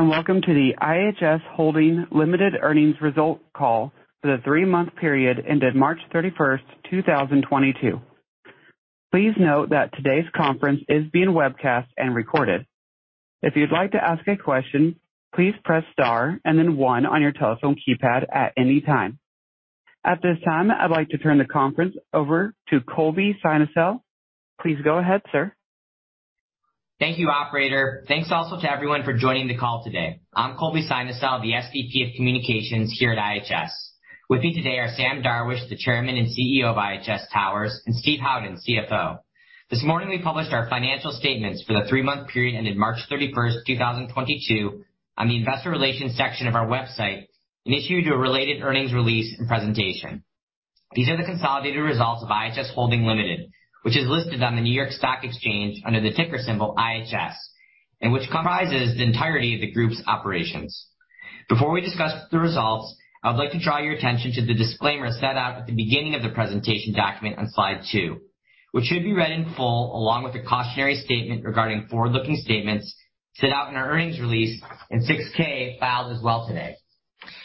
Welcome to the IHS Holding Limited earnings results call for the three-month period ended March 31, 2022. Please note that today's conference is being webcast and recorded. If you'd like to ask a question, please press star and then one on your telephone keypad at any time. At this time, I'd like to turn the conference over to Colby Synesael. Please go ahead, sir. Thank you, operator. Thanks also to everyone for joining the call today. I'm Colby Synesael, the SVP of communications here at IHS. With me today are Sam Darwish, the Chairman and CEO of IHS Towers, and Steve Howden, CFO. This morning we published our financial statements for the three-month period ended March 31, 2022 on the investor relations section of our website and issued you a related earnings release and presentation. These are the consolidated results of IHS Holding Limited, which is listed on the New York Stock Exchange under the ticker symbol IHS and which comprises the entirety of the group's operations. Before we discuss the results, I would like to draw your attention to the disclaimer set out at the beginning of the presentation document on slide two, which should be read in full along with the cautionary statement regarding forward-looking statements set out in our earnings release and Form 6-K filed as well today.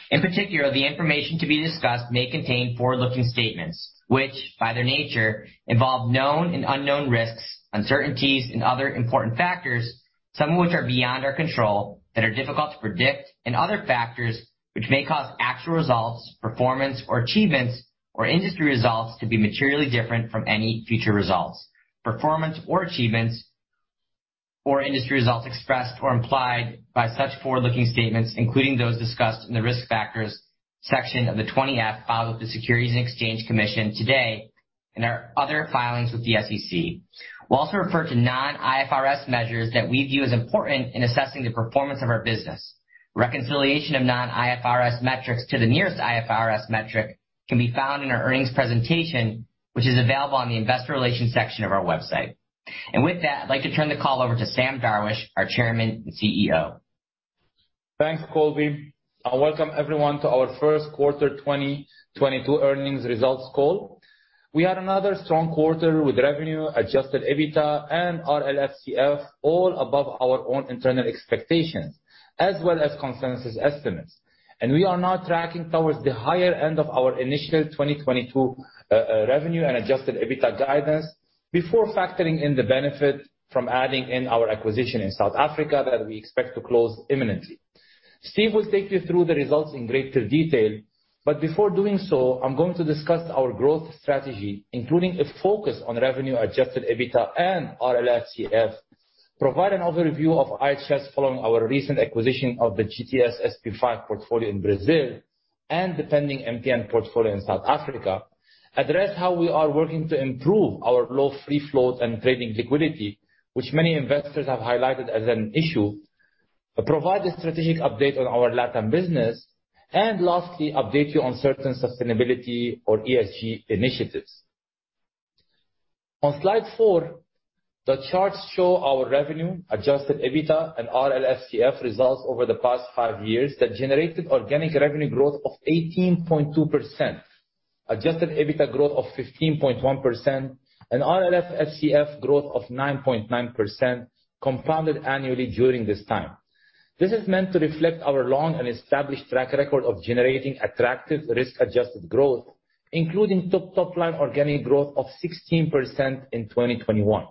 In particular, the information to be discussed may contain forward-looking statements which, by their nature, involve known and unknown risks, uncertainties and other important factors, some of which are beyond our control, that are difficult to predict and other factors which may cause actual results, performance or achievements or industry results to be materially different from any future results, performance or achievements or industry results expressed or implied by such forward-looking statements, including those discussed in the Risk Factors section of the Form 20-F filed with the Securities and Exchange Commission today in our other filings with the SEC. We'll also refer to non-IFRS measures that we view as important in assessing the performance of our business. Reconciliation of non-IFRS metrics to the nearest IFRS metric can be found in our earnings presentation, which is available on the investor relations section of our website. With that, I'd like to turn the call over to Sam Darwish, our Chairman and CEO. Thanks, Colby, and welcome everyone to our first quarter 2022 earnings results call. We had another strong quarter with revenue, adjusted EBITDA and RLFCF all above our own internal expectations as well as consensus estimates. We are now tracking towards the higher end of our initial 2022 revenue and adjusted EBITDA guidance before factoring in the benefit from adding in our acquisition in South Africa that we expect to close imminently. Steve will take you through the results in greater detail, but before doing so, I'm going to discuss our growth strategy, including a focus on revenue, adjusted EBITDA, and RLFCF, provide an overview of IHS following our recent acquisition of the GTS SP5 portfolio in Brazil and the pending MTN portfolio in South Africa, address how we are working to improve our low free float and trading liquidity, which many investors have highlighted as an issue, provide a strategic update on our Latin business and lastly, update you on certain sustainability or ESG initiatives. On slide four, the charts show our revenue, adjusted EBITDA, and RLFCF results over the past five years that generated organic revenue growth of 18.2%, adjusted EBITDA growth of 15.1% and RLFCF growth of 9.9% compounded annually during this time. This is meant to reflect our long and established track record of generating attractive risk-adjusted growth, including top line organic growth of 16% in 2021.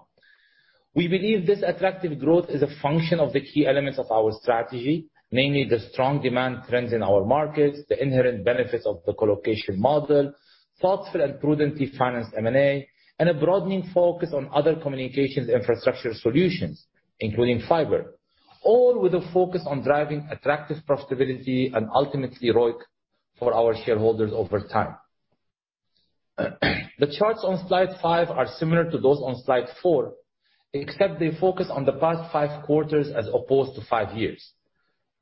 We believe this attractive growth is a function of the key elements of our strategy, namely the strong demand trends in our markets, the inherent benefits of the colocation model, thoughtful and prudently financed M&A, and a broadening focus on other communications infrastructure solutions, including fiber, all with a focus on driving attractive profitability and ultimately ROIC for our shareholders over time. The charts on slide five are similar to those on slide four, except they focus on the past five quarters as opposed to five years.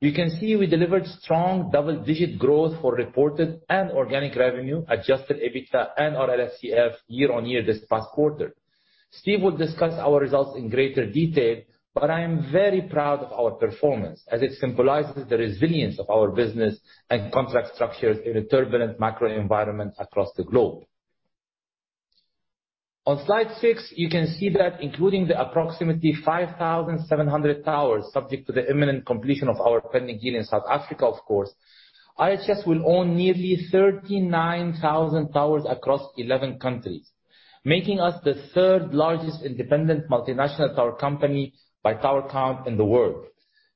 You can see we delivered strong double-digit growth for reported and organic revenue, adjusted EBITDA and RLFCF year-on-year this past quarter. Steve will discuss our results in greater detail, but I am very proud of our performance as it symbolizes the resilience of our business and contract structures in a turbulent macro environment across the globe. On slide six, you can see that including the approximately 5,700 towers, subject to the imminent completion of our pending deal in South Africa, of course, IHS will own nearly 39,000 towers across 11 countries, making us the third largest independent multinational tower company by tower count in the world.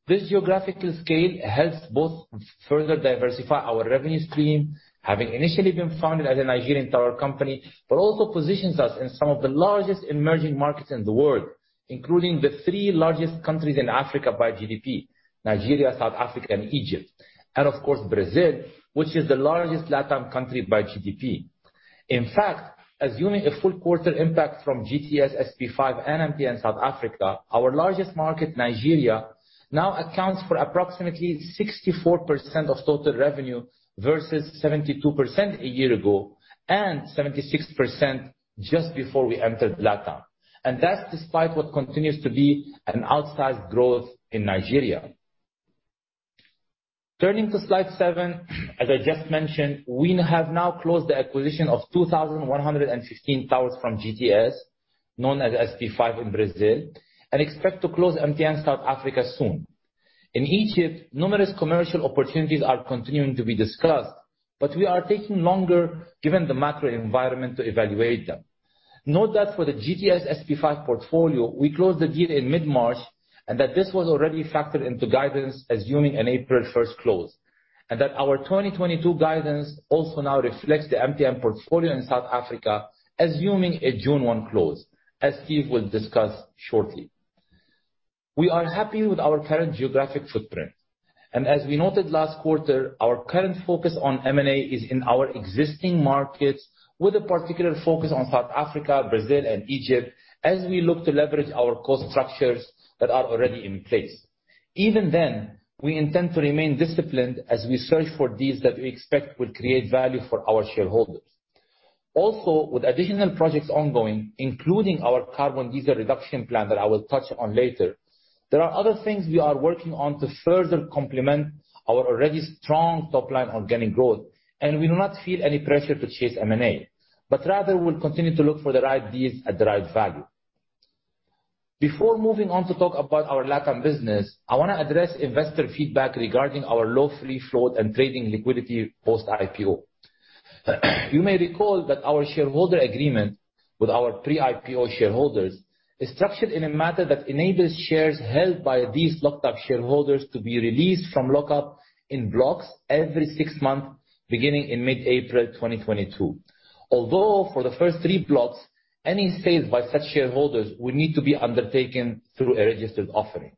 This geographical scale helps both further diversify our revenue stream, having initially been founded as a Nigerian tower company, but also positions us in some of the largest emerging markets in the world, including the three largest countries in Africa by GDP, Nigeria, South Africa and Egypt. Of course Brazil, which is the largest Latin country by GDP. In fact, assuming a full quarter impact from GTS, SP Five, and MTN South Africa, our largest market, Nigeria, now accounts for approximately 64% of total revenue versus 72% a year ago and 76% just before we entered Latin. That's despite what continues to be an outsized growth in Nigeria. Turning to slide seven, as I just mentioned, we have now closed the acquisition of 2,115 towers from GTS, known as SP Five in Brazil, and expect to close MTN South Africa soon. In Egypt, numerous commercial opportunities are continuing to be discussed, but we are taking longer given the macro environment to evaluate them. Note that for the GTS SP5 portfolio, we closed the deal in mid-March, and that this was already factored into guidance assuming an April 1 close, and that our 2022 guidance also now reflects the MTN portfolio in South Africa, assuming a June 1 close, as Steve will discuss shortly. We are happy with our current geographic footprint. As we noted last quarter, our current focus on M&A is in our existing markets, with a particular focus on South Africa, Brazil and Egypt, as we look to leverage our cost structures that are already in place. Even then, we intend to remain disciplined as we search for deals that we expect will create value for our shareholders. With additional projects ongoing, including our carbon diesel reduction plan that I will touch on later, there are other things we are working on to further complement our already strong top line organic growth, and we do not feel any pressure to chase M&A, but rather will continue to look for the right deals at the right value. Before moving on to talk about our Latin business, I want to address investor feedback regarding our low free float and trading liquidity post-IPO. You may recall that our shareholder agreement with our pre-IPO shareholders is structured in a manner that enables shares held by these locked-up shareholders to be released from lockup in blocks every six months, beginning in mid-April 2022. Although for the first three blocks, any sales by such shareholders will need to be undertaken through a registered offering.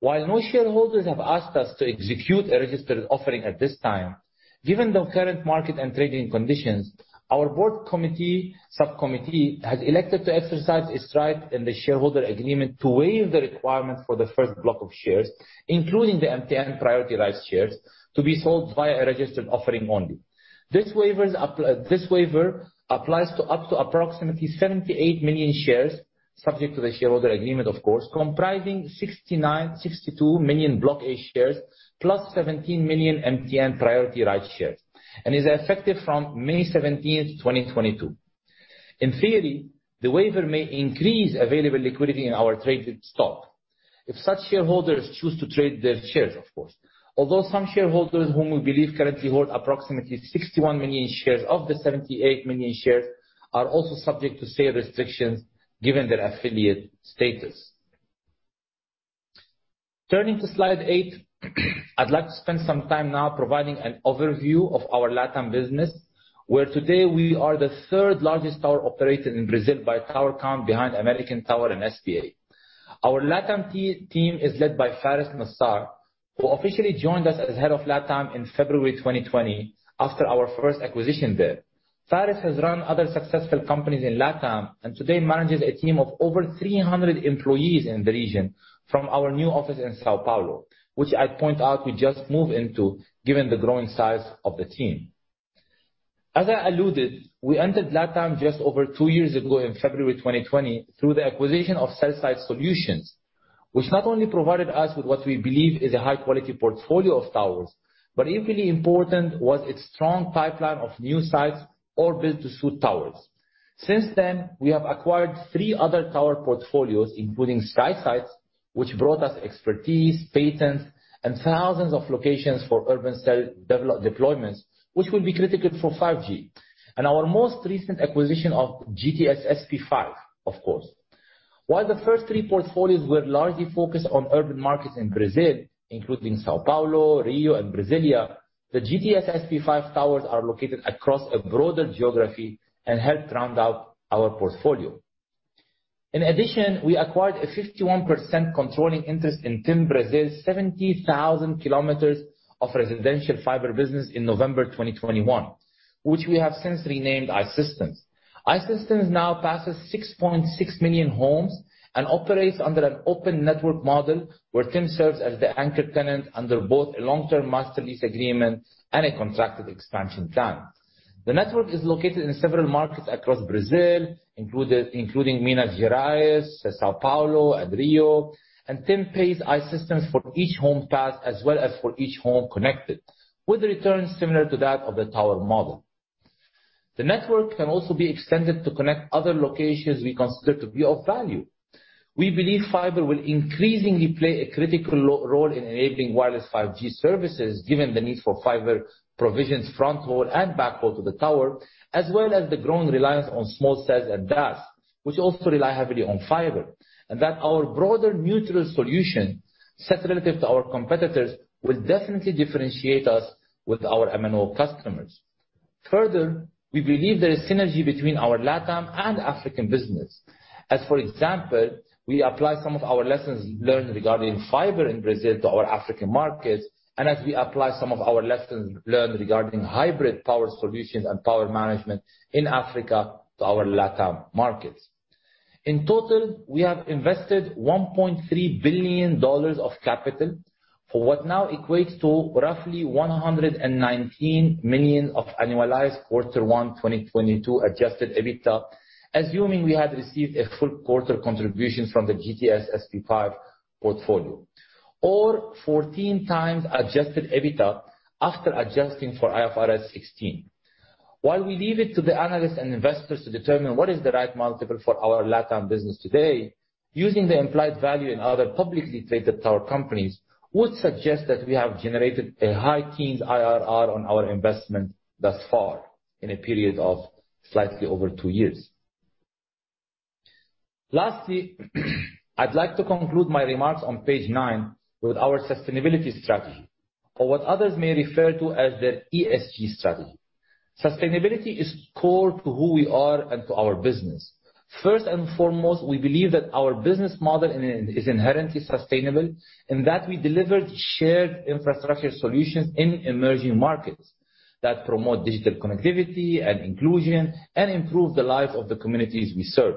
While no shareholders have asked us to execute a registered offering at this time, given the current market and trading conditions, our board subcommittee has elected to exercise its right in the shareholder agreement to waive the requirement for the first block of shares, including the MTN priority rights shares to be sold via a registered offering only. This waiver applies to up to approximately $78 million shares, subject to the shareholder agreement of course, comprising $69.62 million block A shares plus $17 million MTN priority rights shares, and is effective from May 17, 2022. In theory, the waiver may increase available liquidity in our traded stock if such shareholders choose to trade their shares, of course. Although some shareholders, whom we believe currently hold approximately $61 million shares of the $78 million shares, are also subject to sale restrictions given their affiliate status. Turning to slide eight, I'd like to spend some time now providing an overview of our Latin business, where today we are the third largest tower operator in Brazil by tower count behind American Tower and SBA. Our Latin team is led by Farès Nassar, who officially joined us as head of Latin in February 2020 after our first acquisition there. Farès has run other successful companies in Latin, and today manages a team of over 300 employees in the region from our new office in São Paulo, which I point out we just moved into given the growing size of the team. As I alluded, we entered Latin just over two years ago in February 2020 through the acquisition of Cell Site Solutions, which not only provided us with what we believe is a high-quality portfolio of towers, but equally important was its strong pipeline of new sites or build-to-suit towers. Since then, we have acquired three other tower portfolios, including Skysites, which brought us expertise, patents, and thousands of locations for urban cell deployments, which will be critical for 5G. Our most recent acquisition of GTS SP5, of course. While the first three portfolios were largely focused on urban markets in Brazil, including São Paulo, Rio and Brasília, the GTS SP5 towers are located across a broader geography and help round out our portfolio. In addition, we acquired a 51% controlling interest in TIM Brasil's 70,000 kilometers of residential fiber business in November 2021, which we have since renamed I-Systems. I-Systems now passes 6.6 million homes and operates under an open network model where TIM serves as the anchor tenant under both a long-term master lease agreement and a contracted expansion plan. The network is located in several markets across Brazil, including Minas Gerais, São Paulo and Rio. TIM pays I-Systems for each home passed as well as for each home connected, with returns similar to that of the tower model. The network can also be extended to connect other locations we consider to be of value. We believe fiber will increasingly play a critical role in enabling wireless 5G services, given the need for fiber provisions front haul and backhaul to the tower, as well as the growing reliance on small cells and DAS, which also rely heavily on fiber, and that our broader neutral solution set relative to our competitors will definitely differentiate us with our MNO customers. Further, we believe there is synergy between our Latin and African business. As for example, we apply some of our lessons learned regarding fiber in Brazil to our African markets, and as we apply some of our lessons learned regarding hybrid power solutions and power management in Africa to our Latin markets. In total, we have invested $1.3 billion of capital for what now equates to roughly $119 million of annualized Q1 2022 adjusted EBITDA, assuming we had received a full quarter contribution from the GTS SP5 portfolio, or 14x adjusted EBITDA after adjusting for IFRS 16. While we leave it to the analysts and investors to determine what is the right multiple for our Latin business today, using the implied value in other publicly traded tower companies would suggest that we have generated a high-teens IRR on our investment thus far in a period of slightly over two years. Lastly, I'd like to conclude my remarks on page nine with our sustainability strategy or what others may refer to as their ESG strategy. Sustainability is core to who we are and to our business. First and foremost, we believe that our business model is inherently sustainable, and that we deliver shared infrastructure solutions in emerging markets that promote digital connectivity and inclusion and improve the lives of the communities we serve.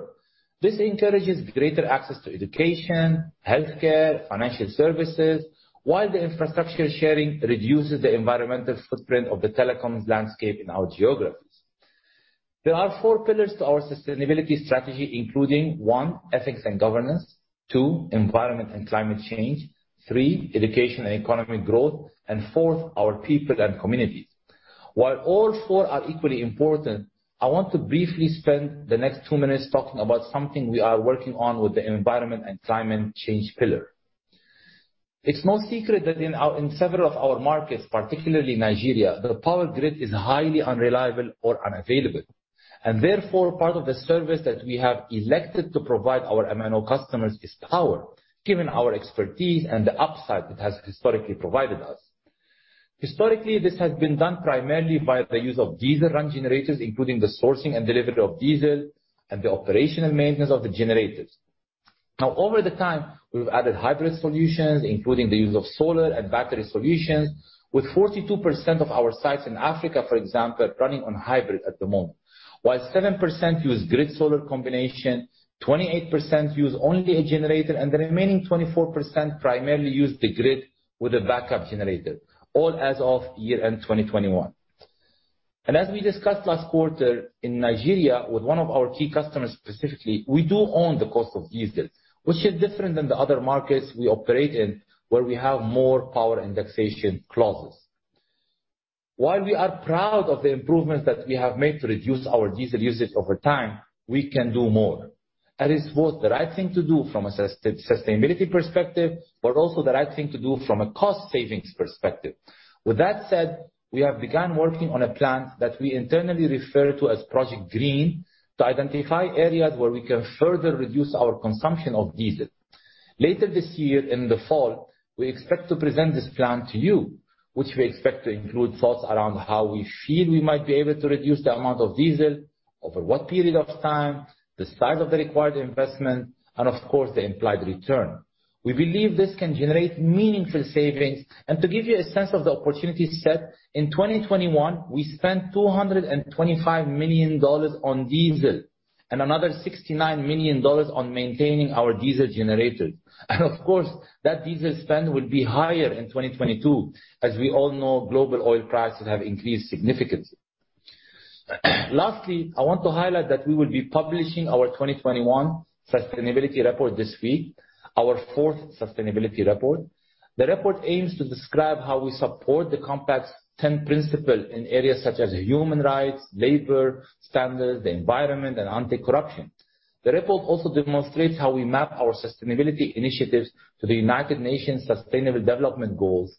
This encourages greater access to education, healthcare, financial services, while the infrastructure sharing reduces the environmental footprint of the telecoms landscape in our geographies. There are four pillars to our sustainability strategy, including one, ethics and governance, two, environment and climate change, three, education and economic growth, and fourth, our people and communities. While all four are equally important, I want to briefly spend the next two minutes talking about something we are working on with the environment and climate change pillar. It's no secret that in several of our markets, particularly Nigeria, the power grid is highly unreliable or unavailable. Therefore, part of the service that we have elected to provide our MNO customers is power, given our expertise and the upside it has historically provided us. Historically, this has been done primarily by the use of diesel run generators, including the sourcing and delivery of diesel and the operational maintenance of the generators. Now, over the time, we've added hybrid solutions, including the use of solar and battery solutions, with 42% of our sites in Africa, for example, running on hybrid at the moment. While 7% use grid solar combination, 28% use only a generator, and the remaining 24% primarily use the grid with a backup generator, all as of year-end 2021. As we discussed last quarter, in Nigeria, with one of our key customers specifically, we do own the cost of diesel, which is different than the other markets we operate in where we have more power indexation clauses. While we are proud of the improvements that we have made to reduce our diesel usage over time, we can do more. That is both the right thing to do from a sustainability perspective, but also the right thing to do from a cost savings perspective. With that said, we have begun working on a plan that we internally refer to as Project Green to identify areas where we can further reduce our consumption of diesel. Later this year in the fall, we expect to present this plan to you, which we expect to include thoughts around how we feel we might be able to reduce the amount of diesel over what period of time, the size of the required investment, and of course, the implied return. We believe this can generate meaningful savings. To give you a sense of the opportunity set, in 2021, we spent $225 million on diesel and another $69 million on maintaining our diesel generators. Of course, that diesel spend will be higher in 2022 as we all know global oil prices have increased significantly. Lastly, I want to highlight that we will be publishing our 2021 sustainability report this week, our fourth sustainability report. The report aims to describe how we support the Compact's ten principles in areas such as human rights, labor standards, the environment, and anti-corruption. The report also demonstrates how we map our sustainability initiatives to the United Nations Sustainable Development Goals.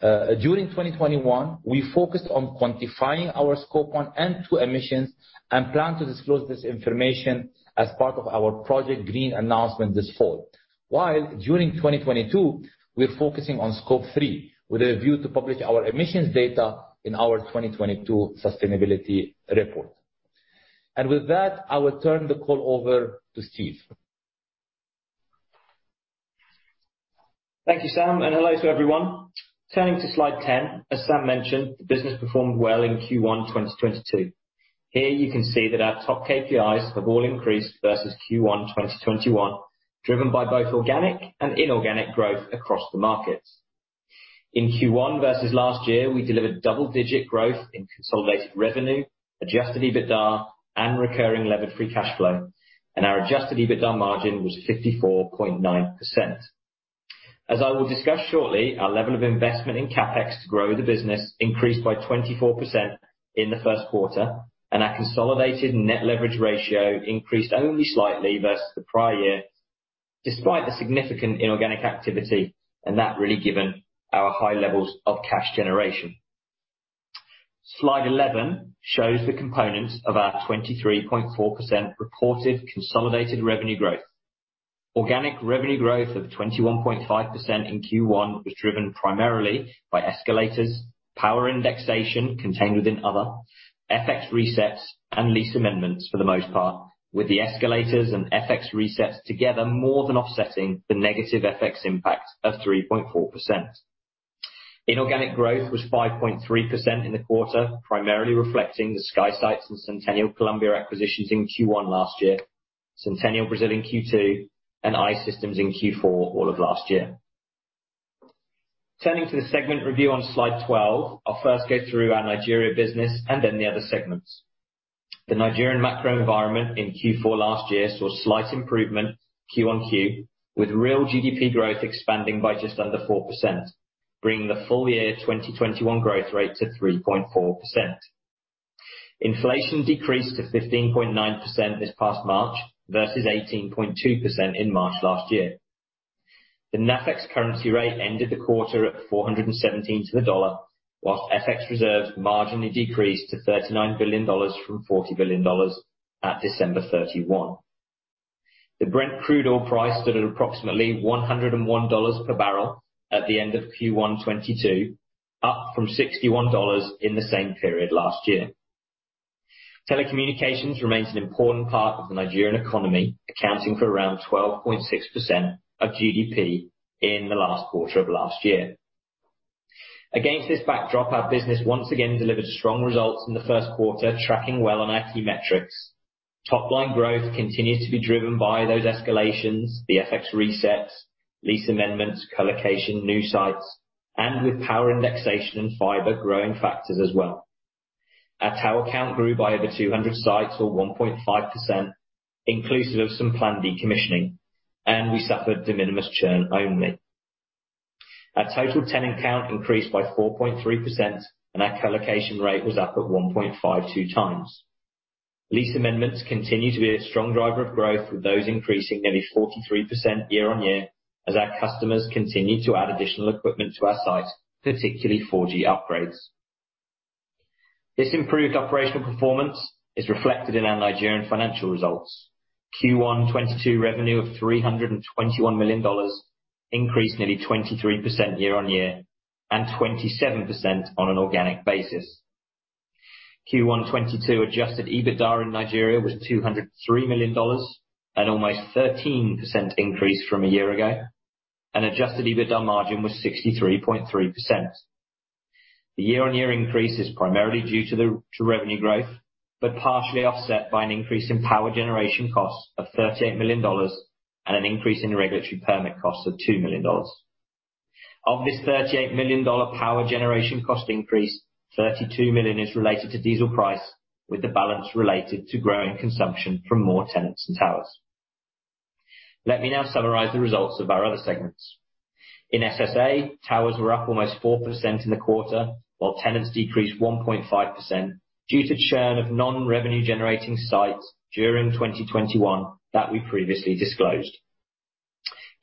During 2021, we focused on quantifying our Scope one and two emissions and plan to disclose this information as part of our Project Green announcement this fall. While during 2022, we're focusing on Scope three with a view to publish our emissions data in our 2022 sustainability report. With that, I will turn the call over to Steve. Thank you, Sam, and hello to everyone. Turning to slide 10. As Sam mentioned, the business performed well in Q1 2022. Here you can see that our top KPIs have all increased versus Q1 2021, driven by both organic and inorganic growth across the markets. In Q1 versus last year, we delivered double-digit growth in consolidated revenue, adjusted EBITDA, and recurring levered-free cash flow, and our adjusted EBITDA margin was 54.9%. As I will discuss shortly, our level of investment in CapEx to grow the business increased by 24% in the first quarter, and our consolidated net leverage ratio increased only slightly versus the prior year, despite the significant inorganic activity, and that's really, given our high levels of cash generation. Slide 11 shows the components of our 23.4% reported consolidated revenue growth. Organic revenue growth of 21.5% in Q1 was driven primarily by escalators, power indexation contained within other, FX resets, and lease amendments for the most part, with the escalators and FX resets together more than offsetting the negative FX impact of 3.4%. Inorganic growth was 5.3% in the quarter, primarily reflecting the Skysites and Centennial Colombia acquisitions in Q1 last year, Centennial Brazil in Q2, and I-Systems in Q4 all of last year. Turning to the segment review on slide 12, I'll first go through our Nigeria business and then the other segments. The Nigerian macro environment in Q4 last year saw slight improvement Q-on-Q, with real GDP growth expanding by just under 4%, bringing the full year 2021 growth rate to 3.4%. Inflation decreased to 15.9% this past March versus 18.2% in March last year. The NAFEX currency rate ended the quarter at 417 to the dollar, while FX reserves marginally decreased to $39 billion from $40 billion at December 31. The Brent crude oil price stood at approximately $101 per barrel at the end of Q1 2022, up from $61 in the same period last year. Telecommunications remains an important part of the Nigerian economy, accounting for around 12.6% of GDP in the last quarter of last year. Against this backdrop, our business once again delivered strong results in the first quarter, tracking well on our key metrics. Top line growth continues to be driven by those escalations, the FX resets, lease amendments, colocation, new sites, and with power indexation and fiber growing factors as well. Our tower count grew by over 200 sites or 1.5%, inclusive of some planned decommissioning, and we suffered de minimis churn only. Our total tenant count increased by 4.3% and our colocation rate was up at 1.52x. Lease amendments continue to be a strong driver of growth, with those increasing nearly 43% year-on-year as our customers continue to add additional equipment to our site, particularly 4G upgrades. This improved operational performance is reflected in our Nigerian financial results. Q1 2022 revenue of $321 million increased nearly 23% year-on-year and 27% on an organic basis. Q1 2022 adjusted EBITDA in Nigeria was $203 million, an almost 13% increase from a year ago, and adjusted EBITDA margin was 63.3%. The year-on-year increase is primarily due to revenue growth, but partially offset by an increase in power generation costs of $38 million and an increase in regulatory permit costs of $2 million. Of this $38 million power generation cost increase, $32 million is related to diesel price, with the balance related to growing consumption from more tenants and towers. Let me now summarize the results of our other segments. In SSA, towers were up almost 4% in the quarter, while tenants decreased 1.5% due to churn of non-revenue generating sites during 2021 that we previously disclosed.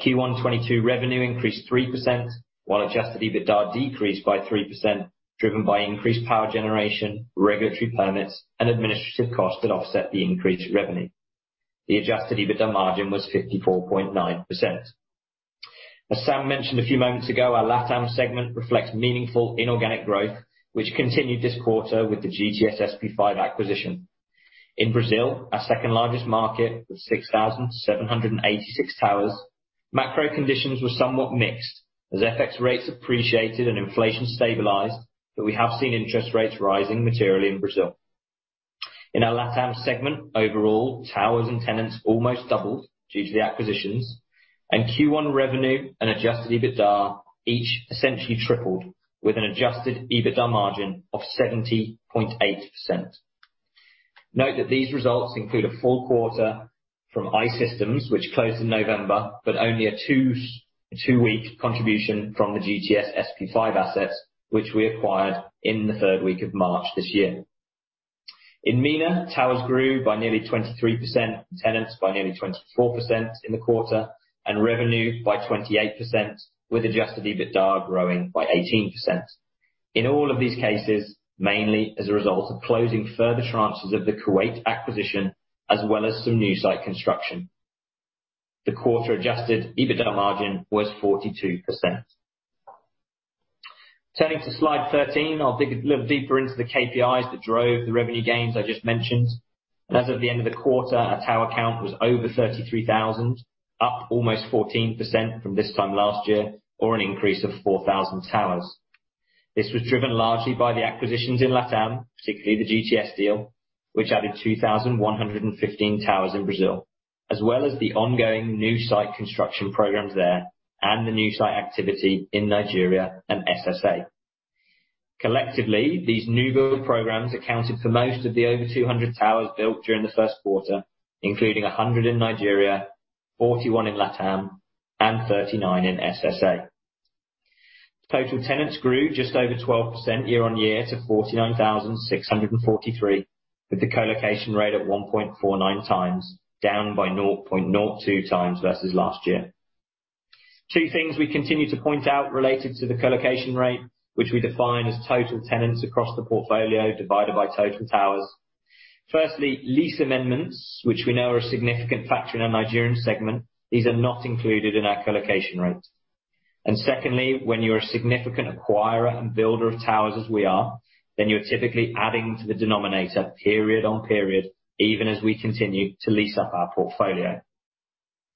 Q1 '22 revenue increased 3%, while adjusted EBITDA decreased by 3%, driven by increased power generation, regulatory permits, and administrative costs that offset the increase in revenue. The adjusted EBITDA margin was 54.9%. As Sam mentioned a few moments ago, our Latin segment reflects meaningful inorganic growth, which continued this quarter with the GTS SP5 acquisition. In Brazil, our second-largest market with 6,786 towers, macro conditions were somewhat mixed as FX rates appreciated and inflation stabilized, but we have seen interest rates rising materially in Brazil. In our Latin segment, overall, towers and tenants almost doubled due to the acquisitions, and Q1 revenue and adjusted EBITDA each essentially tripled with an adjusted EBITDA margin of 70.8%. Note that these results include a full quarter from I-Systems, which closed in November, but only a two-week contribution from the GTS SP5 assets which we acquired in the third week of March this year. In MENA, towers grew by nearly 23%, tenants by nearly 24% in the quarter, and revenue by 28%, with adjusted EBITDA growing by 18%. In all of these cases, mainly as a result of closing further tranches of the Kuwait acquisition, as well as some new site construction. The quarter-adjusted EBITDA margin was 42%. Turning to slide 13, I'll dig a little deeper into the KPIs that drove the revenue gains I just mentioned. As of the end of the quarter, our tower count was over 33,000, up almost 14% from this time last year, or an increase of 4,000 towers. This was driven largely by the acquisitions in Latin, particularly the GTS deal, which added 2,115 towers in Brazil, as well as the ongoing new site construction programs there and the new site activity in Nigeria and SSA. Collectively, these new build programs accounted for most of the over 200 towers built during the first quarter, including 100 in Nigeria, 41 in Latin, and 39 in SSA. Total tenants grew just over 12% year-on-year to 49,643, with the colocation rate at 1.49x, down by 0.02x versus last year. Two things we continue to point out related to the colocation rate, which we define as total tenants across the portfolio divided by total towers. Firstly, lease amendments, which we know are a significant factor in our Nigerian segment. These are not included in our colocation rate. Secondly, when you're a significant acquirer and builder of towers as we are, then you're typically adding to the denominator period on period, even as we continue to lease up our portfolio.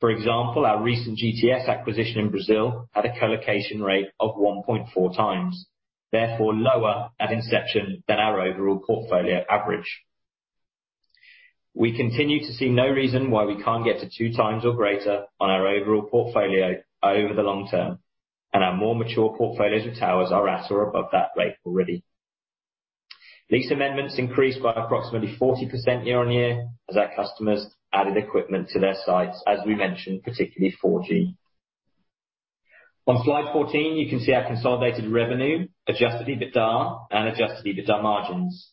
For example, our recent GTS acquisition in Brazil had a colocation rate of 1.4x, therefore lower at inception than our overall portfolio average. We continue to see no reason why we can't get to 2x or greater on our overall portfolio over the long term, and our more mature portfolios of towers are at or above that rate already. Lease amendments increased by approximately 40% year-on-year as our customers added equipment to their sites, as we mentioned, particularly 4G. On slide 14, you can see our consolidated revenue, adjusted EBITDA and adjusted EBITDA margins.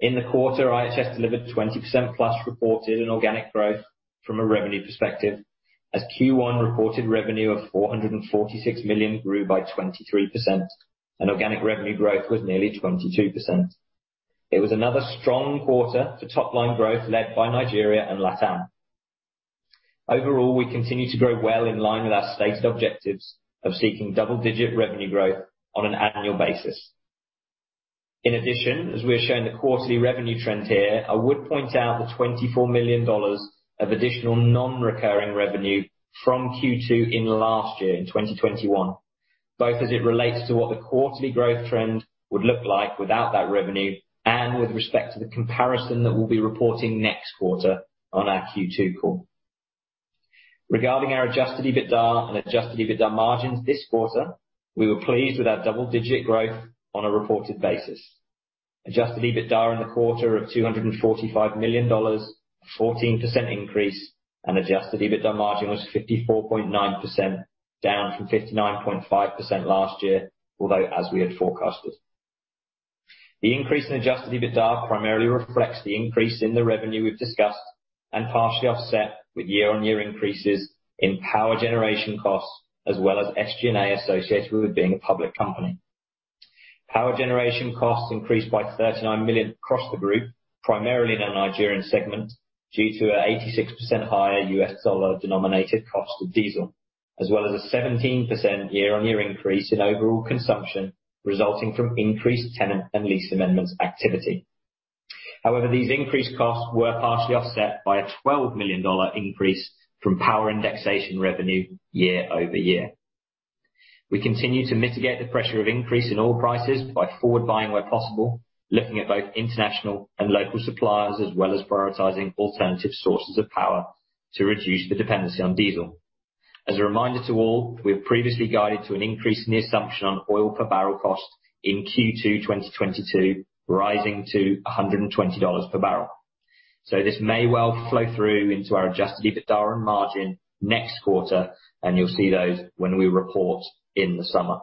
In the quarter, IHS delivered 20%+ reported and organic growth from a revenue perspective as Q1 reported revenue of $446 million grew by 23%, and organic revenue growth was nearly 22%. It was another strong quarter for top-line growth, led by Nigeria and Latin. Overall, we continue to grow well in line with our stated objectives of seeking double-digit revenue growth on an annual basis. In addition, as we are showing the quarterly revenue trend here, I would point out the $24 million of additional non-recurring revenue from Q2 in last year, in 2021, both as it relates to what the quarterly growth trend would look like without that revenue and with respect to the comparison that we'll be reporting next quarter on our Q2 call. Regarding our adjusted EBITDA and adjusted EBITDA margins this quarter, we were pleased with our double-digit growth on a reported basis. Adjusted EBITDA in the quarter of $245 million, 14% increase, and adjusted EBITDA margin was 54.9%, down from 59.5% last year, although as we had forecasted. The increase in adjusted EBITDA primarily reflects the increase in the revenue we've discussed and partially offset with year-on-year increases in power generation costs, as well as SG&A associated with being a public company. Power generation costs increased by $39 million across the group, primarily in our Nigerian segment, due to an 86% higher US dollar-denominated cost of diesel, as well as a 17% year-on-year increase in overall consumption resulting from increased tenant and lease amendments activity. However, these increased costs were partially offset by a $12 million increase from power indexation revenue year-over-year. We continue to mitigate the pressure of increase in oil prices by forward buying where possible, looking at both international and local suppliers, as well as prioritizing alternative sources of power to reduce the dependency on diesel. As a reminder to all, we have previously guided to an increase in the assumption on oil per barrel cost in Q2 2022, rising to $120 per barrel. This may well flow through into our adjusted EBITDA and margin next quarter, and you'll see those when we report in the summer.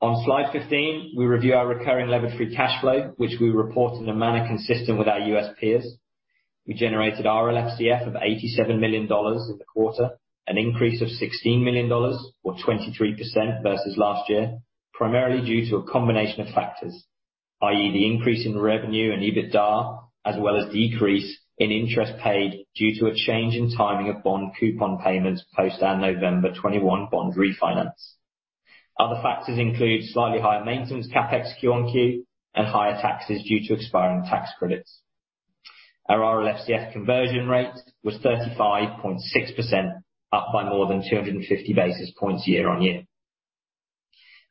On slide 15, we review our recurring levered free cash flow, which we report in a manner consistent with our U.S. peers. We generated RLFCF of $87 million in the quarter, an increase of $16 million or 23% versus last year, primarily due to a combination of factors, i.e., the increase in revenue and EBITDA, as well as decrease in interest paid due to a change in timing of bond coupon payments post our November 2021 bond refinance. Other factors include slightly higher maintenance CapEx quarter-over-quarter and higher taxes due to expiring tax credits. Our RLFCF conversion rate was 35.6%, up by more than 250 basis points year-over-year.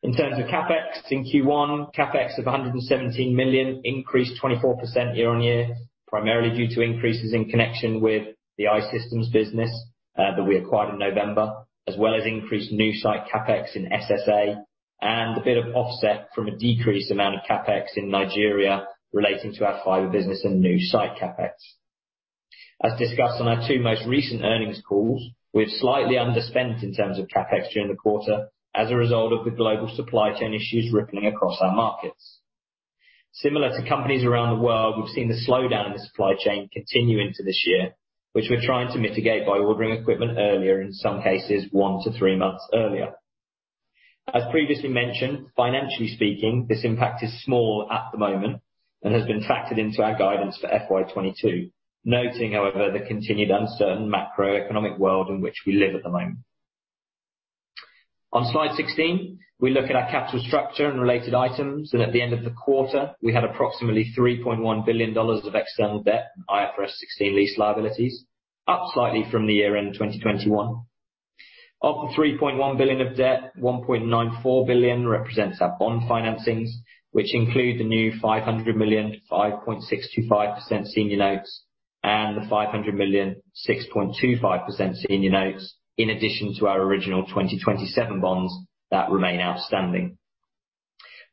In terms of CapEx in Q1, CapEx of $117 million increased 24% year-on-year, primarily due to increases in connection with the I-Systems business that we acquired in November, as well as increased new site CapEx in SSA and a bit of offset from a decreased amount of CapEx in Nigeria relating to our fiber business and new site CapEx. As discussed on our two most recent earnings calls, we have slightly underspent in terms of CapEx during the quarter as a result of the global supply chain issues rippling across our markets. Similar to companies around the world, we've seen the slowdown in the supply chain continue into this year, which we're trying to mitigate by ordering equipment earlier, in some cases one to three months earlier. As previously mentioned, financially speaking, this impact is small at the moment and has been factored into our guidance for FY 2022. Noting, however, the continued uncertain macroeconomic world in which we live at the moment. On slide 16, we look at our capital structure and related items, and at the end of the quarter, we had approximately $3.1 billion of external debt and IFRS 16 lease liabilities, up slightly from the year-end in 2021. Of the $3.1 billion of debt, $1.94 billion represents our bond financings, which include the new $500 million, 5.625% senior notes and the $500 million, 6.25% senior notes, in addition to our original 2027 bonds that remain outstanding.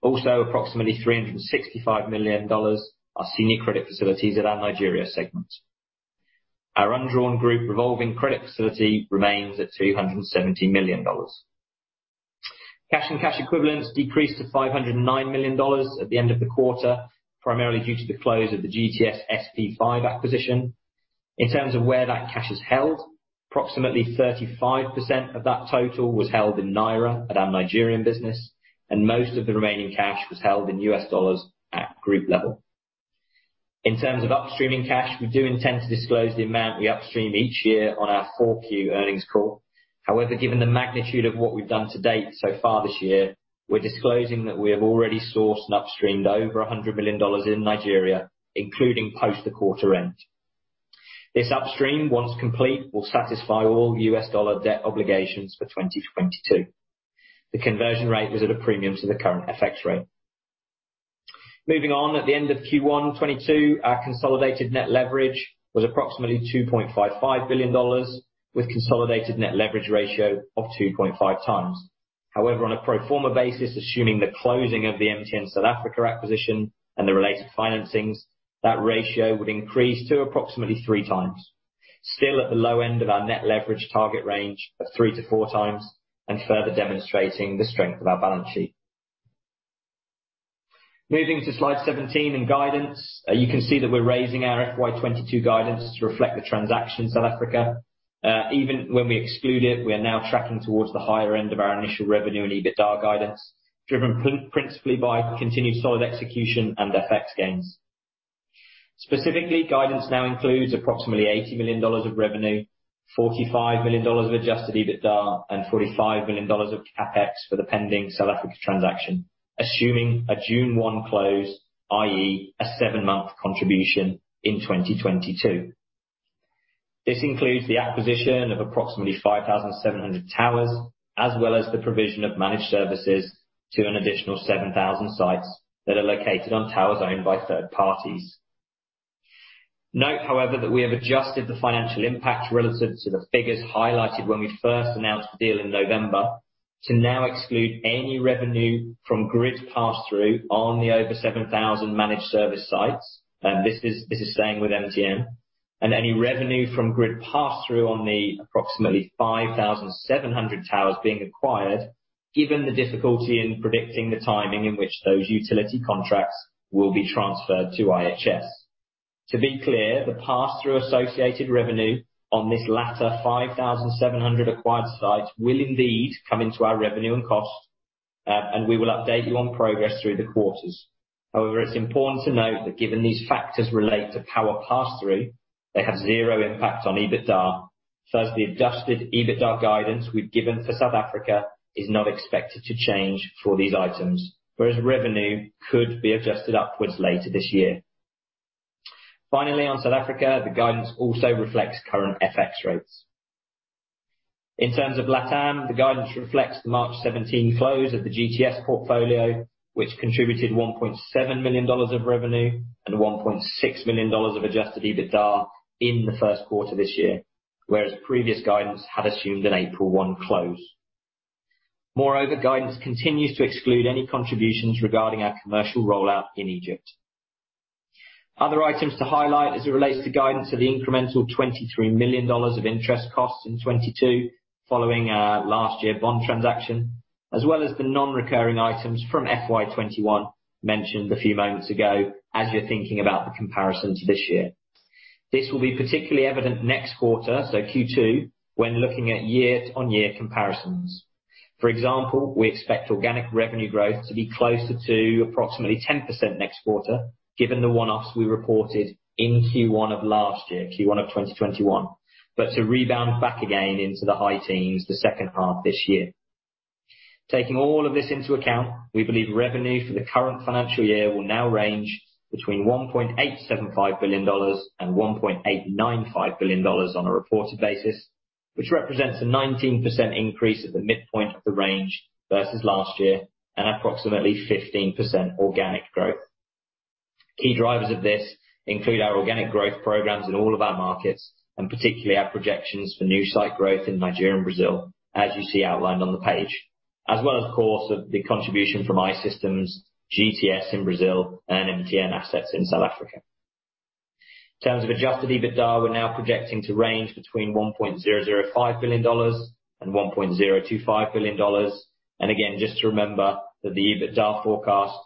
Also, approximately $365 million are senior credit facilities at our Nigeria segment. Our undrawn group revolving credit facility remains at $270 million. Cash and cash equivalents decreased to $509 million at the end of the quarter, primarily due to the close of the GTS SP5 acquisition. In terms of where that cash is held, approximately 35% of that total was held in naira at our Nigerian business, and most of the remaining cash was held in US dollars at group level. In terms of upstreaming cash, we do intend to disclose the amount we upstream each year on our 4Q earnings call. However, given the magnitude of what we've done to date so far this year, we're disclosing that we have already sourced and upstreamed over $100 million in Nigeria, including post the quarter end. This upstream, once complete, will satisfy all US dollar debt obligations for 2022. The conversion rate was at a premium to the current FX rate. Moving on at the end of Q1 2022, our consolidated net leverage was approximately $2.55 billion, with consolidated net leverage ratio of 2.5x. However, on a pro forma basis, assuming the closing of the MTN South Africa acquisition and the related financings, that ratio would increase to approximately 3x. Still at the low end of our net leverage target range of 3x-4x, and further demonstrating the strength of our balance sheet. Moving to slide 17 in guidance, you can see that we're raising our FY 2022 guidance to reflect the transaction in South Africa. Even when we exclude it, we are now tracking towards the higher end of our initial revenue and EBITDA guidance, driven principally by continued solid execution and FX gains. Specifically, guidance now includes approximately $80 million of revenue, $45 million of adjusted EBITDA, and $45 million of CapEx for the pending South Africa transaction. Assuming a June 1 close, i.e., a seven-month contribution in 2022. This includes the acquisition of approximately 5,700 towers, as well as the provision of managed services to an additional 7,000 sites that are located on towers owned by third parties. Note, however, that we have adjusted the financial impact relative to the figures highlighted when we first announced the deal in November, to now exclude any revenue from grid pass-through on the over 7,000 managed service sites, and this is staying with MTN, and any revenue from grid pass-through on the approximately 5,700 towers being acquired, given the difficulty in predicting the timing in which those utility contracts will be transferred to IHS. To be clear, the pass-through associated revenue on this latter 5,700 acquired sites will indeed come into our revenue and cost, and we will update you on progress through the quarters. However, it's important to note that given these factors relate to power pass-through, they have zero impact on EBITDA. Thus, the adjusted EBITDA guidance we've given for South Africa is not expected to change for these items, whereas revenue could be adjusted upwards later this year. Finally, on South Africa, the guidance also reflects current FX rates. In terms of Latin, the guidance reflects the March 17 close of the GTS portfolio, which contributed $1.7 million of revenue and $1.6 million of adjusted EBITDA in the first quarter this year, whereas previous guidance had assumed an April 1 close. Moreover, guidance continues to exclude any contributions regarding our commercial rollout in Egypt. Other items to highlight as it relates to guidance are the incremental $23 million of interest costs in 2022 following our last year bond transaction, as well as the non-recurring items from FY 2021 mentioned a few moments ago, as you're thinking about the comparisons this year. This will be particularly evident next quarter, so Q2, when looking at year-on-year comparisons. For example, we expect organic revenue growth to be closer to approximately 10% next quarter given the one-offs we reported in Q1 of last year, Q1 of 2021, but to rebound back again into the high teens the second half this year. Taking all of this into account, we believe revenue for the current financial year will now range between $1.875 billion and $1.895 billion on a reported basis, which represents a 19% increase at the midpoint of the range versus last year and approximately 15% organic growth. Key drivers of this include our organic growth programs in all of our markets, and particularly our projections for new site growth in Nigeria and Brazil, as you see outlined on the page, as well as, of course, the contribution from I-Systems, GTS in Brazil and MTN assets in South Africa. In terms of adjusted EBITDA, we're now projecting to range between $1.005 billion and $1.025 billion. Again, just to remember that the EBITDA forecast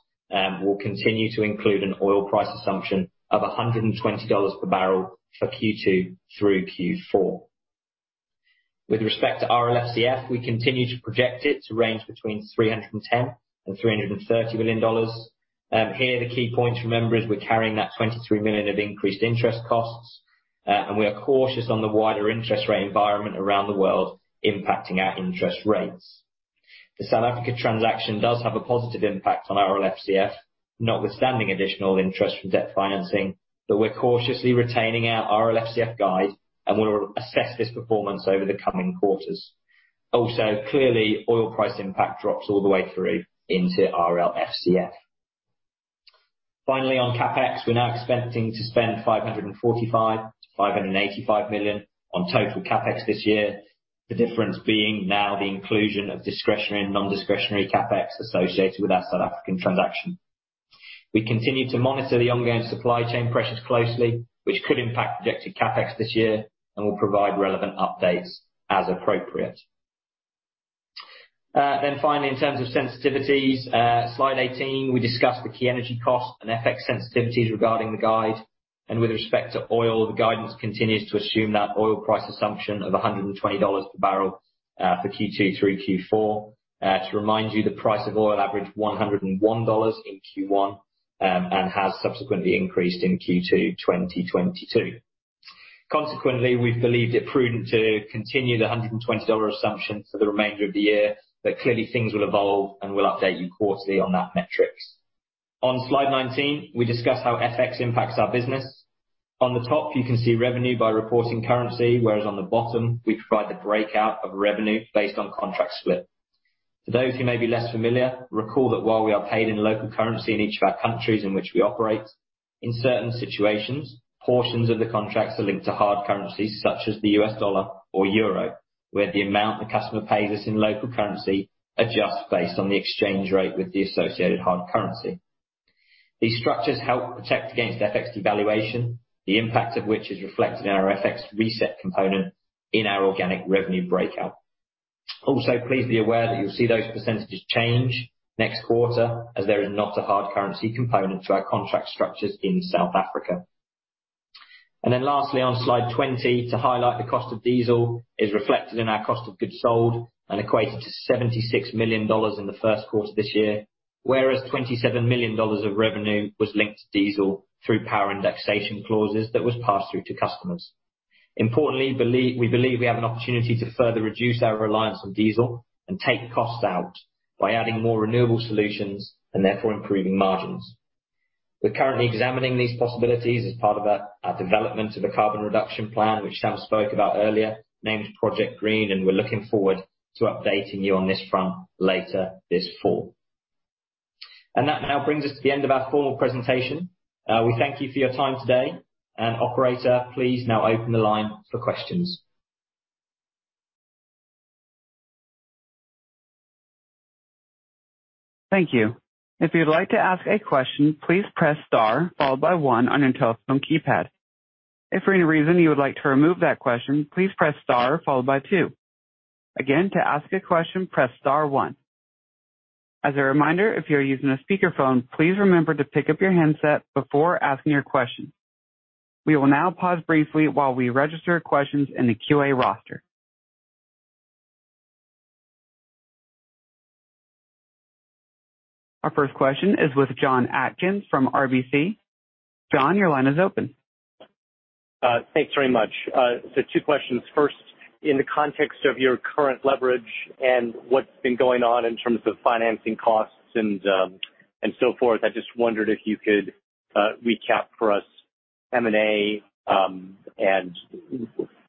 will continue to include an oil price assumption of $120 per barrel for Q2 through Q4. With respect to RLFCF, we continue to project it to range between $310 million and $330 million. Here the key point to remember is we're carrying that $23 million of increased interest costs, and we are cautious on the wider interest rate environment around the world impacting our interest rates. The South Africa transaction does have a positive impact on RLFCF notwithstanding additional interest from debt financing, but we're cautiously retaining our RLFCF guide and we'll assess this performance over the coming quarters. Also, clearly, oil price impact drops all the way through into RLFCF. Finally, on CapEx, we're now expecting to spend $545 million-$585 million on total CapEx this year. The difference being now the inclusion of discretionary and non-discretionary CapEx associated with our South African transaction. We continue to monitor the ongoing supply chain pressures closely, which could impact projected CapEx this year, and we'll provide relevant updates as appropriate. Finally, in terms of sensitivities, slide 18, we discussed the key energy costs and FX sensitivities regarding the guide, and with respect to oil, the guidance continues to assume that oil price assumption of $120 per barrel for Q2 through Q4. To remind you, the price of oil averaged $101 in Q1, and has subsequently increased in Q2 2022. Consequently, we've believed it prudent to continue the $120 assumption for the remainder of the year, but clearly things will evolve, and we'll update you quarterly on that metric. On slide 19, we discuss how FX impacts our business. On the top, you can see revenue by reporting currency, whereas on the bottom we provide the breakout of revenue based on contract split. For those who may be less familiar, recall that while we are paid in local currency in each of our countries in which we operate, in certain situations, portions of the contracts are linked to hard currencies such as the US dollar or euro, where the amount the customer pays us in local currency adjusts based on the exchange rate with the associated hard currency. These structures help protect against FX devaluation, the impact of which is reflected in our FX reset component in our organic revenue breakout. Also, please be aware that you'll see those percentages change next quarter as there is not a hard currency component to our contract structures in South Africa. On slide 20, to highlight the cost of diesel is reflected in our cost of goods sold and equated to $76 million in the first quarter this year, whereas $27 million of revenue was linked to diesel through power indexation clauses that was passed through to customers. Importantly, we believe we have an opportunity to further reduce our reliance on diesel and take costs out by adding more renewable solutions and therefore improving margins. We're currently examining these possibilities as part of our development of a carbon reduction plan, which Sam spoke about earlier, named Project Green, and we're looking forward to updating you on this front later this fall. That now brings us to the end of our formal presentation. We thank you for your time today. Operator, please now open the line for questions. Thank you. If you'd like to ask a question, please press star followed by one on your telephone keypad. If for any reason you would like to remove that question, please press star followed by two. Again, to ask a question, press star one. As a reminder, if you're using a speaker phone, please remember to pick up your handset before asking your question. We will now pause briefly while we register questions in the QA roster. Our first question is with Jonathan Atkin from RBC. John, your line is open. Thanks very much. So two questions. First, in the context of your current leverage and what's been going on in terms of financing costs and so forth, I just wondered if you could recap for us M&A and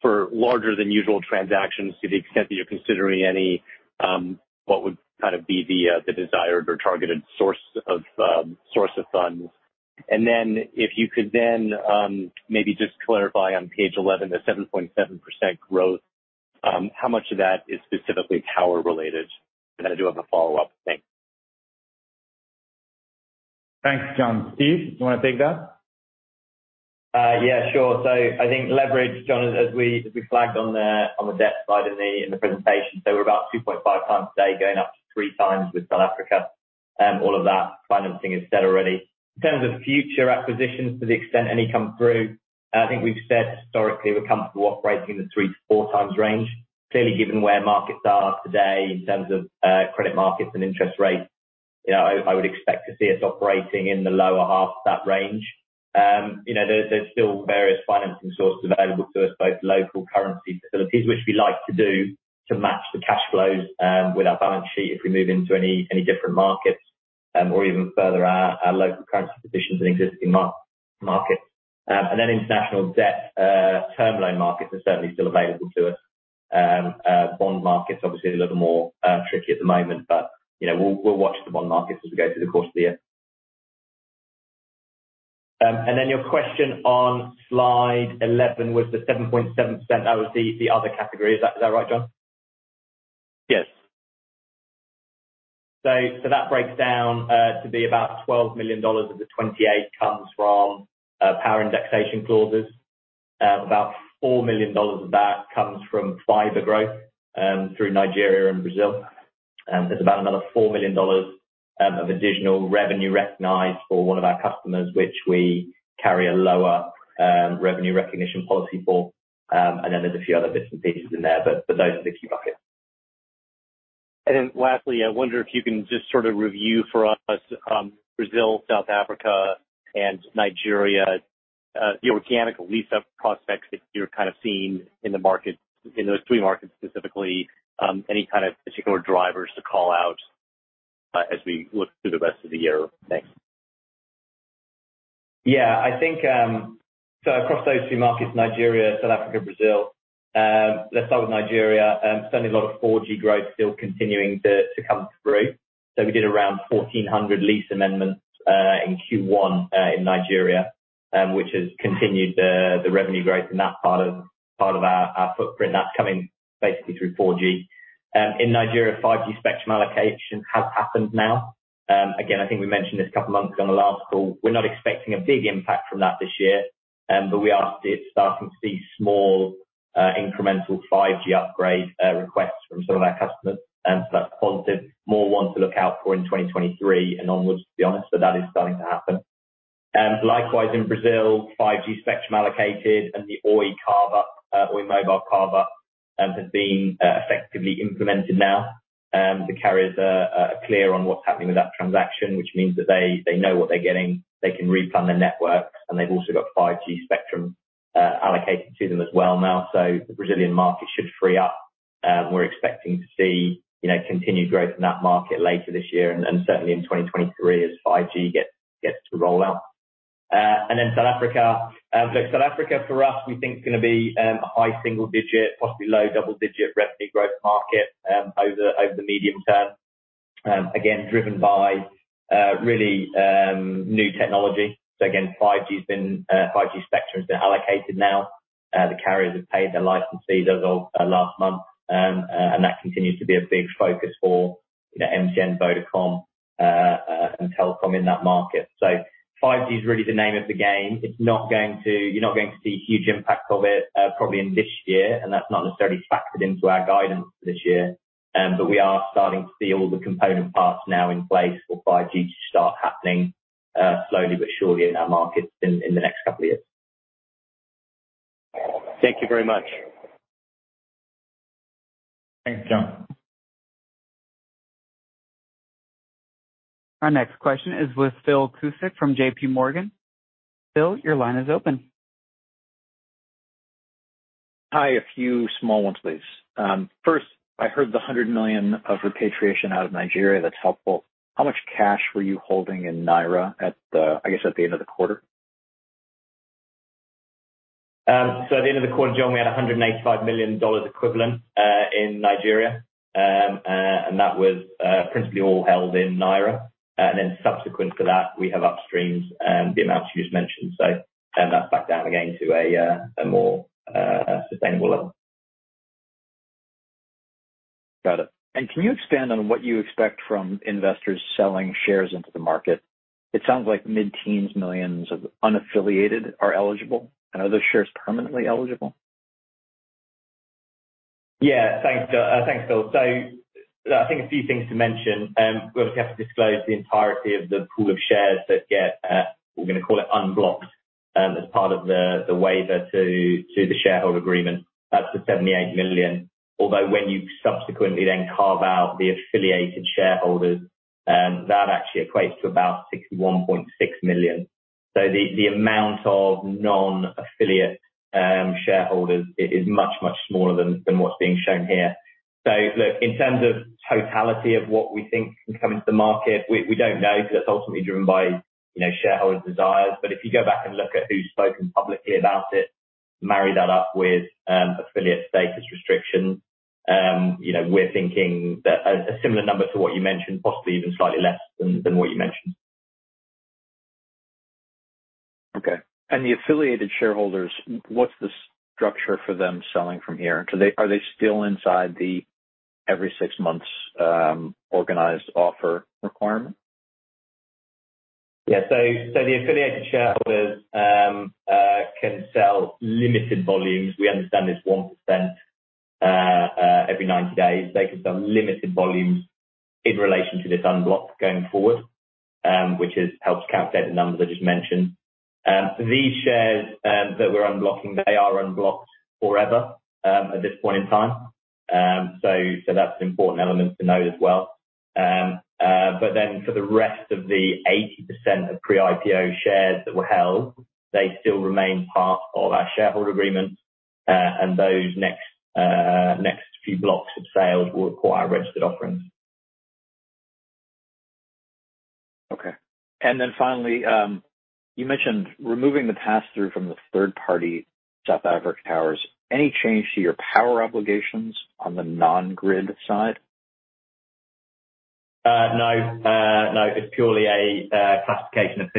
for larger than usual transactions, to the extent that you're considering any, what would kind of be the desired or targeted source of funds? Then if you could maybe just clarify on page 11, the 7.7% growth, how much of that is specifically tower related? I do have a follow-up. Thanks. Thanks, Jonathan. Steve, do you wanna take that? I think leverage, John, as we flagged on the debt side in the presentation, we're about 2.5x today, going up to 3x with South Africa. All of that financing is set already. In terms of future acquisitions to the extent any come through, I think we've said historically we're comfortable operating in the 3x-4x range. Clearly, given where markets are today in terms of credit markets and interest rates, you know, I would expect to see us operating in the lower half of that range. You know, there's still various financing sources available to us, both local currency facilities, which we like to do to match the cash flows with our balance sheet if we move into any different markets, or even further our local currency positions in existing markets. International debt term loan markets are certainly still available to us. Bond markets obviously a little more tricky at the moment, but, you know, we'll watch the bond markets as we go through the course of the year. Your question on slide 11 was the 7.7% out of the other category. Is that right, John? Yes. That breaks down to be about $12 million of the 28 comes from power indexation clauses. About $4 million of that comes from fiber growth through Nigeria and Brazil. There's about another $4 million of additional revenue recognized for one of our customers, which we carry a lower revenue recognition policy for. There's a few other bits and pieces in there, but those are the key buckets. Then lastly, I wonder if you can just sort of review for us, Brazil, South Africa and Nigeria, the organic lease-up prospects that you're kind of seeing in the market, in those three markets specifically, any kind of particular drivers to call out, as we look through the rest of the year. Thanks. Yeah, I think, so across those three markets, Nigeria, South Africa, Brazil, let's start with Nigeria. Certainly a lot of 4G growth still continuing to come through. We did around 1,400 lease amendments in Q1 in Nigeria, which has continued the revenue growth in that part of our footprint that's coming basically through 4G. In Nigeria, 5G spectrum allocation has happened now. Again, I think we mentioned this a couple months ago on the last call. We're not expecting a big impact from that this year, but we are still starting to see small incremental 5G upgrade requests from some of our customers. That's positive. More one to look out for in 2023 and onward, to be honest. That is starting to happen. Likewise in Brazil, 5G spectrum allocated and the Oi carve-out, Oi mobile carve-out, has been effectively implemented now. The carriers are clear on what's happening with that transaction, which means that they know what they're getting, they can replan their networks, and they've also got 5G spectrum allocated to them as well now. The Brazilian market should free up. We're expecting to see, you know, continued growth in that market later this year and certainly in 2023 as 5G gets to roll out. Then South Africa. Look, South Africa for us, we think is gonna be a high single-digit, possibly low double-digit revenue growth market over the medium term. Again, driven by really new technology. 5G spectrum has been allocated now. The carriers have paid their licenses as of last month. That continues to be a big focus for, you know, MTN, Vodacom, and Telkom in that market. 5G is really the name of the game. You're not going to see huge impacts of it, probably in this year, and that's not necessarily factored into our guidance for this year. We are starting to see all the component parts now in place for 5G to start happening, slowly but surely in our markets in the next couple of years. Thank you very much. Thanks, John. Our next question is with Phil Cusick from JPMorgan. Phil, your line is open. Hi, a few small ones please. First, I heard the $100 million of repatriation out of Nigeria, that's helpful. How much cash were you holding in Naira at the end of the quarter? At the end of the quarter, John, we had $185 million equivalent in Nigeria. That was principally all held in naira. Subsequent to that, we have upstreamed the amounts you just mentioned. Turn that back down again to a more sustainable level. Got it. Can you expand on what you expect from investors selling shares into the market? It sounds like mid-teens millions of unaffiliated are eligible, and are those shares permanently eligible? Yeah. Thanks, Phil. I think a few things to mention, we obviously have to disclose the entirety of the pool of shares that get, we're gonna call it unblocked, as part of the waiver to the shareholder agreement. That's the $78 million. Although when you subsequently then carve out the affiliated shareholders, that actually equates to about $61.6 million. The amount of non-affiliate shareholders is much smaller than what's being shown here. Look, in terms of totality of what we think can come into the market, we don't know because that's ultimately driven by, you know, shareholder desires. If you go back and look at who's spoken publicly about it, marry that up with affiliate status restrictions, you know, we're thinking that a similar number to what you mentioned, possibly even slightly less than what you mentioned. Okay. The affiliated shareholders, what's the structure for them selling from here? Are they still inside the every six months organized offer requirement? The affiliated shareholders can sell limited volumes. We understand it's 1% every 90 days. They can sell limited volumes in relation to this unblocking going forward, which helps calculate the numbers I just mentioned. These shares that we're unblocking, they are unblocked forever at this point in time. That's an important element to note as well. For the rest of the 80% of pre-IPO shares that were held, they still remain part of our shareholder agreement. Those next few blocks of sales will require registered offerings. Okay. Finally, you mentioned removing the pass-through from the third-party South Africa towers. Any change to your power obligations on the non-grid side? No, it's purely a classification of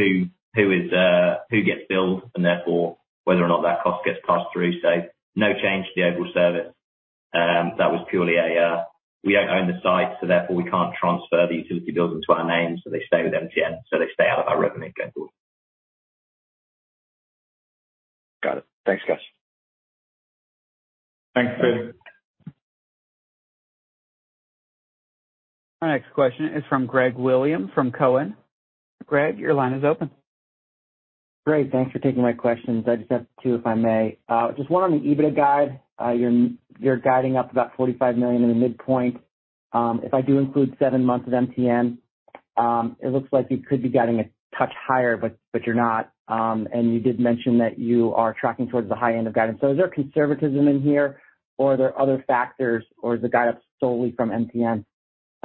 who gets billed and therefore whether or not that cost gets passed through. No change to the overall service. That was purely a. We don't own the site, so therefore we can't transfer the utility bills into our names, so they stay with MTN, so they stay out of our revenue going forward. Got it. Thanks, guys. Thanks, Phil. Our next question is from Greg Williams, from Cowen. Greg, your line is open. Great. Thanks for taking my questions. I just have two, if I may. Just one on the EBITDA guide. You're guiding up about $45 million in the midpoint. If I do include seven months of MTN, it looks like you could be guiding a touch higher, but you're not. You did mention that you are tracking towards the high end of guidance. Is there conservatism in here or are there other factors, or is the guide up solely from MTN?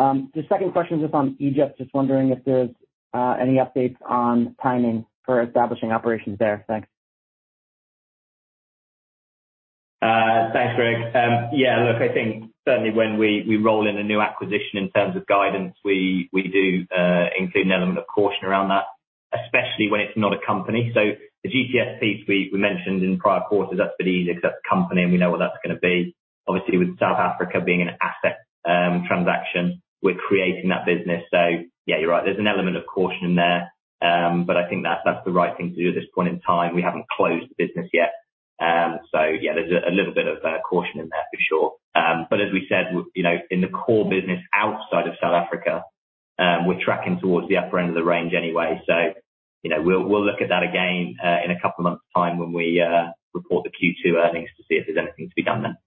The second question is just on Egypt. Just wondering if there's any updates on timing for establishing operations there. Thanks. Thanks, Greg. Yeah, look, I think certainly when we roll in a new acquisition in terms of guidance, we do include an element of caution around that, especially when it's not a company. The GTS piece we mentioned in prior quarters, that's a bit easier because that's a company and we know what that's gonna be. Obviously, with South Africa being an asset transaction, we're creating that business. Yeah, you're right. There's an element of caution there, but I think that's the right thing to do at this point in time. We haven't closed the business yet. Yeah, there's a little bit of caution in there for sure. As we said, you know, in the core business outside of South Africa, we're tracking towards the upper end of the range anyway. You know, we'll look at that again in a couple of months time when we report the Q2 earnings to see if there's anything to be done then.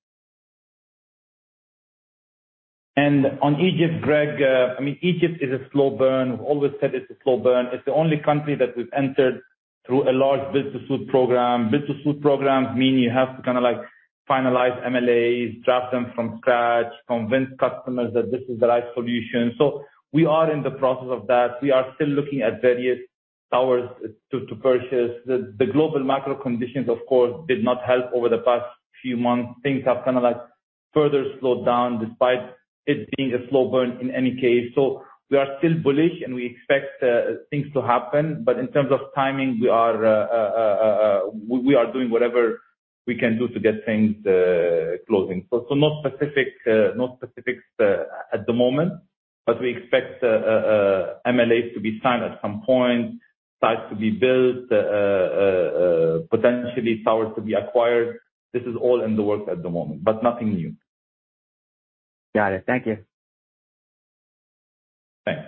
On Egypt, Greg, I mean, Egypt is a slow burn. We've always said it's a slow burn. It's the only country that we've entered through a large build-to-suit program. Build-to-suit programs mean you have to kinda like finalize MLAs, draft them from scratch, convince customers that this is the right solution. We are in the process of that. We are still looking at various towers to purchase. The global macro conditions, of course, did not help over the past few months. Things have kinda like further slowed down despite it being a slow burn in any case. We are still bullish, and we expect things to happen. But in terms of timing, we are doing whatever we can do to get things closing. Not specifics at the moment, but we expect MLAs to be signed at some point, sites to be built, potentially towers to be acquired. This is all in the works at the moment, but nothing new. Got it. Thank you. Thanks.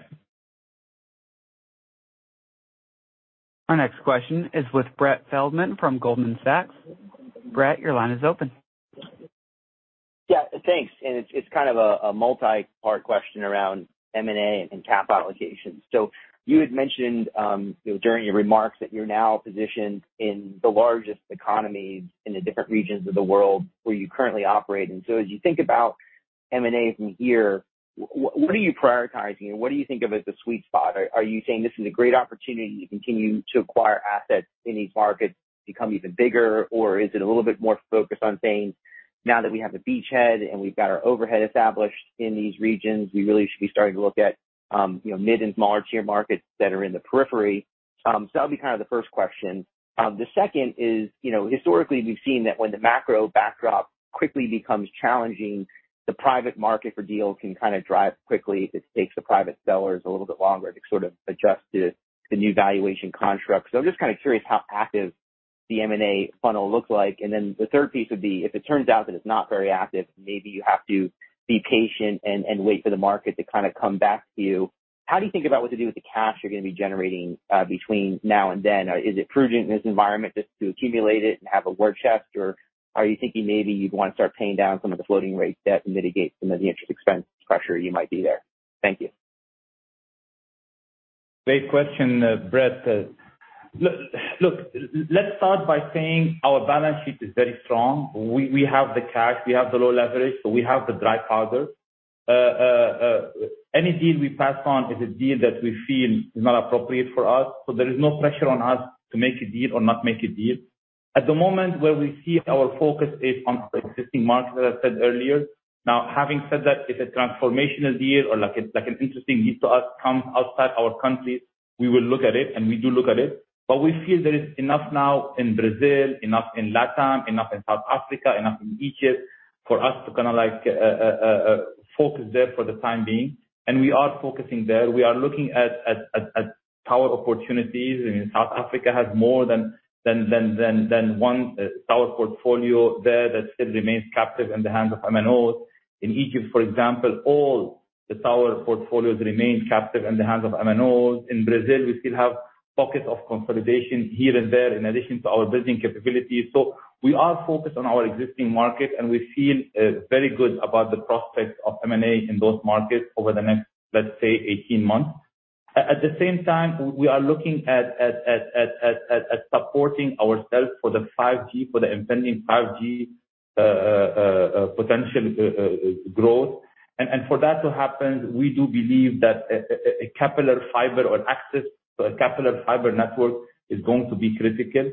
Our next question is with Brett Feldman from Goldman Sachs. Brett, your line is open. Yeah. Thanks. It's kind of a multi-part question around M&A and cap allocations. You had mentioned during your remarks that you're now positioned in the largest economies in the different regions of the world where you currently operate. As you think about M&A from here, what are you prioritizing and what do you think of as the sweet spot? Are you saying this is a great opportunity to continue to acquire assets in these markets, become even bigger? Or is it a little bit more focused on saying, "Now that we have a beachhead, and we've got our overhead established in these regions, we really should be starting to look at, you know, mid- and smaller-tier markets that are in the periphery." That'll be kind of the first question. The second is, you know, historically we've seen that when the macro backdrop quickly becomes challenging, the private market for deals can kinda dry up quickly. It takes the private sellers a little bit longer to sort of adjust to the new valuation construct. I'm just kinda curious how active the M&A funnel looks like. The third piece would be if it turns out that it's not very active, maybe you have to be patient and wait for the market to kinda come back to you. How do you think about what to do with the cash you're gonna be generating, between now and then? Is it prudent in this environment just to accumulate it and have a war chest? Are you thinking maybe you'd wanna start paying down some of the floating rate debt and mitigate some of the interest expense pressure you might be there? Thank you. Great question, Brett. Look, let's start by saying our balance sheet is very strong. We have the cash, we have the low leverage, so we have the dry powder. Any deal we pass on is a deal that we feel is not appropriate for us. So there is no pressure on us to make a deal or not make a deal. At the moment where we see our focus is on existing markets, as I said earlier. Now, having said that, if a transformational deal or, like, an interesting lead to us comes outside our country, we will look at it, and we do look at it. We feel there is enough now in Brazil, enough in Latin, enough in South Africa, enough in Egypt for us to kinda like focus there for the time being, and we are focusing there. We are looking at tower opportunities. I mean, South Africa has more than one tower portfolio there that still remains captive in the hands of MNOs. In Egypt, for example, all the tower portfolios remain captive in the hands of MNOs. In Brazil, we still have pockets of consolidation here and there, in addition to our building capabilities. We are focused on our existing market, and we feel very good about the prospects of M&A in those markets over the next, let's say, 18 months. At the same time, we are looking at supporting ourselves for the 5G, for the impending 5G, potential growth. For that to happen, we do believe that a capillary fiber or access to a capillary fiber network is going to be critical.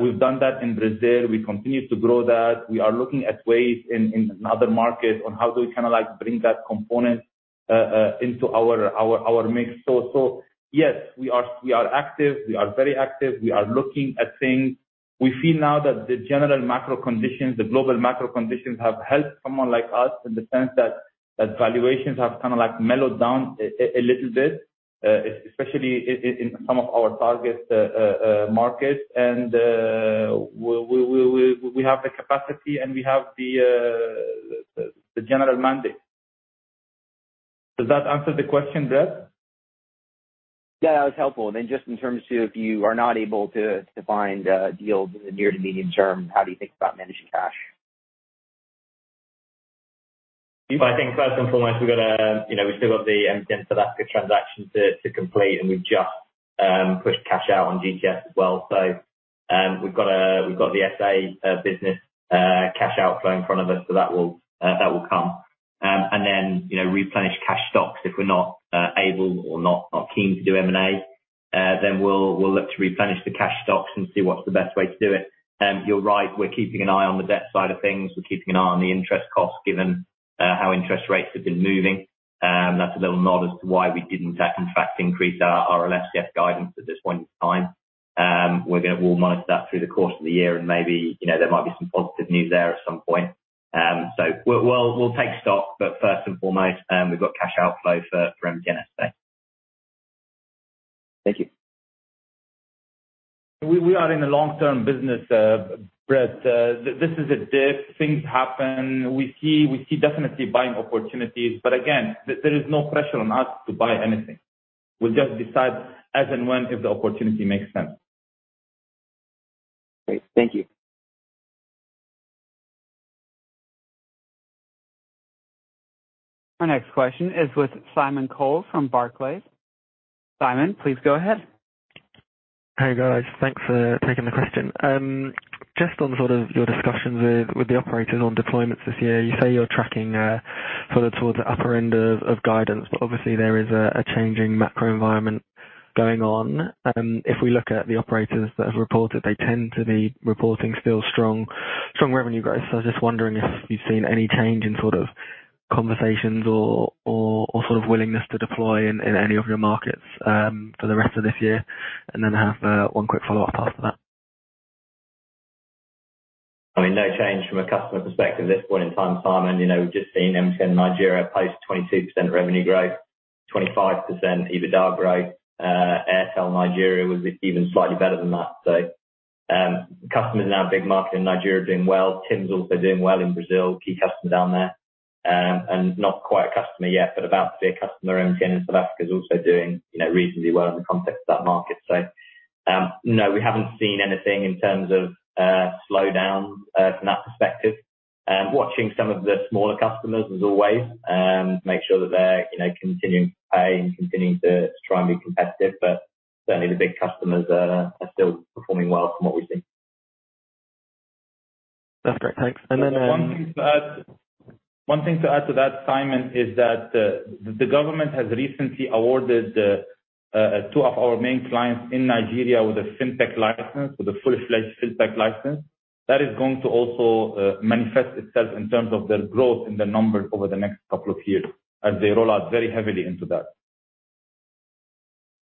We've done that in Brazil. We continue to grow that. We are looking at ways in other markets on how do we kinda like bring that component into our mix. Yes, we are active. We are very active. We are looking at things. We feel now that the general macro conditions, the global macro conditions have helped someone like us in the sense that valuations have kinda like mellowed down a little bit, especially in some of our target markets. We have the capacity, and we have the general mandate. Does that answer the question, Brett? Yeah, that was helpful. Just in terms, too, if you are not able to find deals in the near to medium term, how do you think about managing cash? I think first and foremost, we've got, you know, we've still got the MTN South Africa transaction to complete, and we've just pushed cash out on GTS as well. We've got the SA business cash outflow in front of us, so that will come. And then, you know, replenish cash stocks if we're not able or not keen to do M&A. Then we'll look to replenish the cash stocks and see what's the best way to do it. You're right. We're keeping an eye on the debt side of things. We're keeping an eye on the interest costs, given how interest rates have been moving. That's a little nod as to why we didn't in fact increase our RLFCF guidance at this point in time. We'll monitor that through the course of the year and maybe, you know, there might be some positive news there at some point. We'll take stock. First and foremost, we've got cash outflow for MTN SA. Thank you. We are in a long-term business, Brett. This is a dip. Things happen. We see definitely buying opportunities. Again, there is no pressure on us to buy anything. We'll just decide as and when if the opportunity makes sense. Great. Thank you. Our next question is with Simon Coles from Barclays. Simon, please go ahead. Hey, guys. Thanks for taking the question. Just on sort of your discussions with the operators on deployments this year, you say you're tracking further towards the upper end of guidance, but obviously there is a changing macro environment going on. If we look at the operators that have reported, they tend to be reporting still strong revenue growth. I was just wondering if you've seen any change in sort of conversations or sort of willingness to deploy in any of your markets for the rest of this year? I have one quick follow-up after that. I mean, no change from a customer perspective at this point in time, Simon. You know, we've just seen MTN Nigeria post 22% revenue growth, 25% EBITDA growth. Airtel Nigeria was even slightly better than that. Customers in our big market in Nigeria are doing well. Tim's also doing well in Brazil, key customer down there. And not quite a customer yet, but about to be a customer, MTN in South Africa is also doing, you know, reasonably well in the context of that market. No, we haven't seen anything in terms of slowdown from that perspective. Watching some of the smaller customers as always, make sure that they're, you know, continuing to pay and continuing to try and be competitive, but certainly the big customers are still performing well from what we see. That's great. Thanks. One thing to add to that, Simon, is that the government has recently awarded two of our main clients in Nigeria with a FinTech license, with a full-fledged FinTech license. That is going to also manifest itself in terms of their growth in the numbers over the next couple of years as they roll out very heavily into that.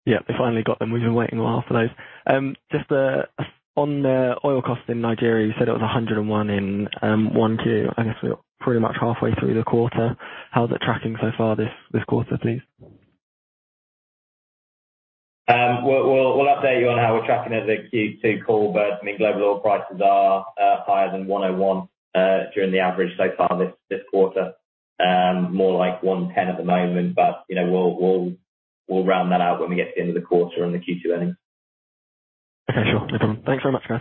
Yeah. They finally got them. We've been waiting a while for those. Just on the oil cost in Nigeria, you said it was $101 in Q1. I guess we're pretty much halfway through the quarter. How's it tracking so far this quarter, please? We'll update you on how we're tracking it at the Q2 call, but I mean, global oil prices are higher than $110 on average so far this quarter. More like $110 at the moment. But you know, we'll round that out when we get to the end of the quarter in the Q2 earnings. Okay. Sure. No problem. Thanks very much, guys.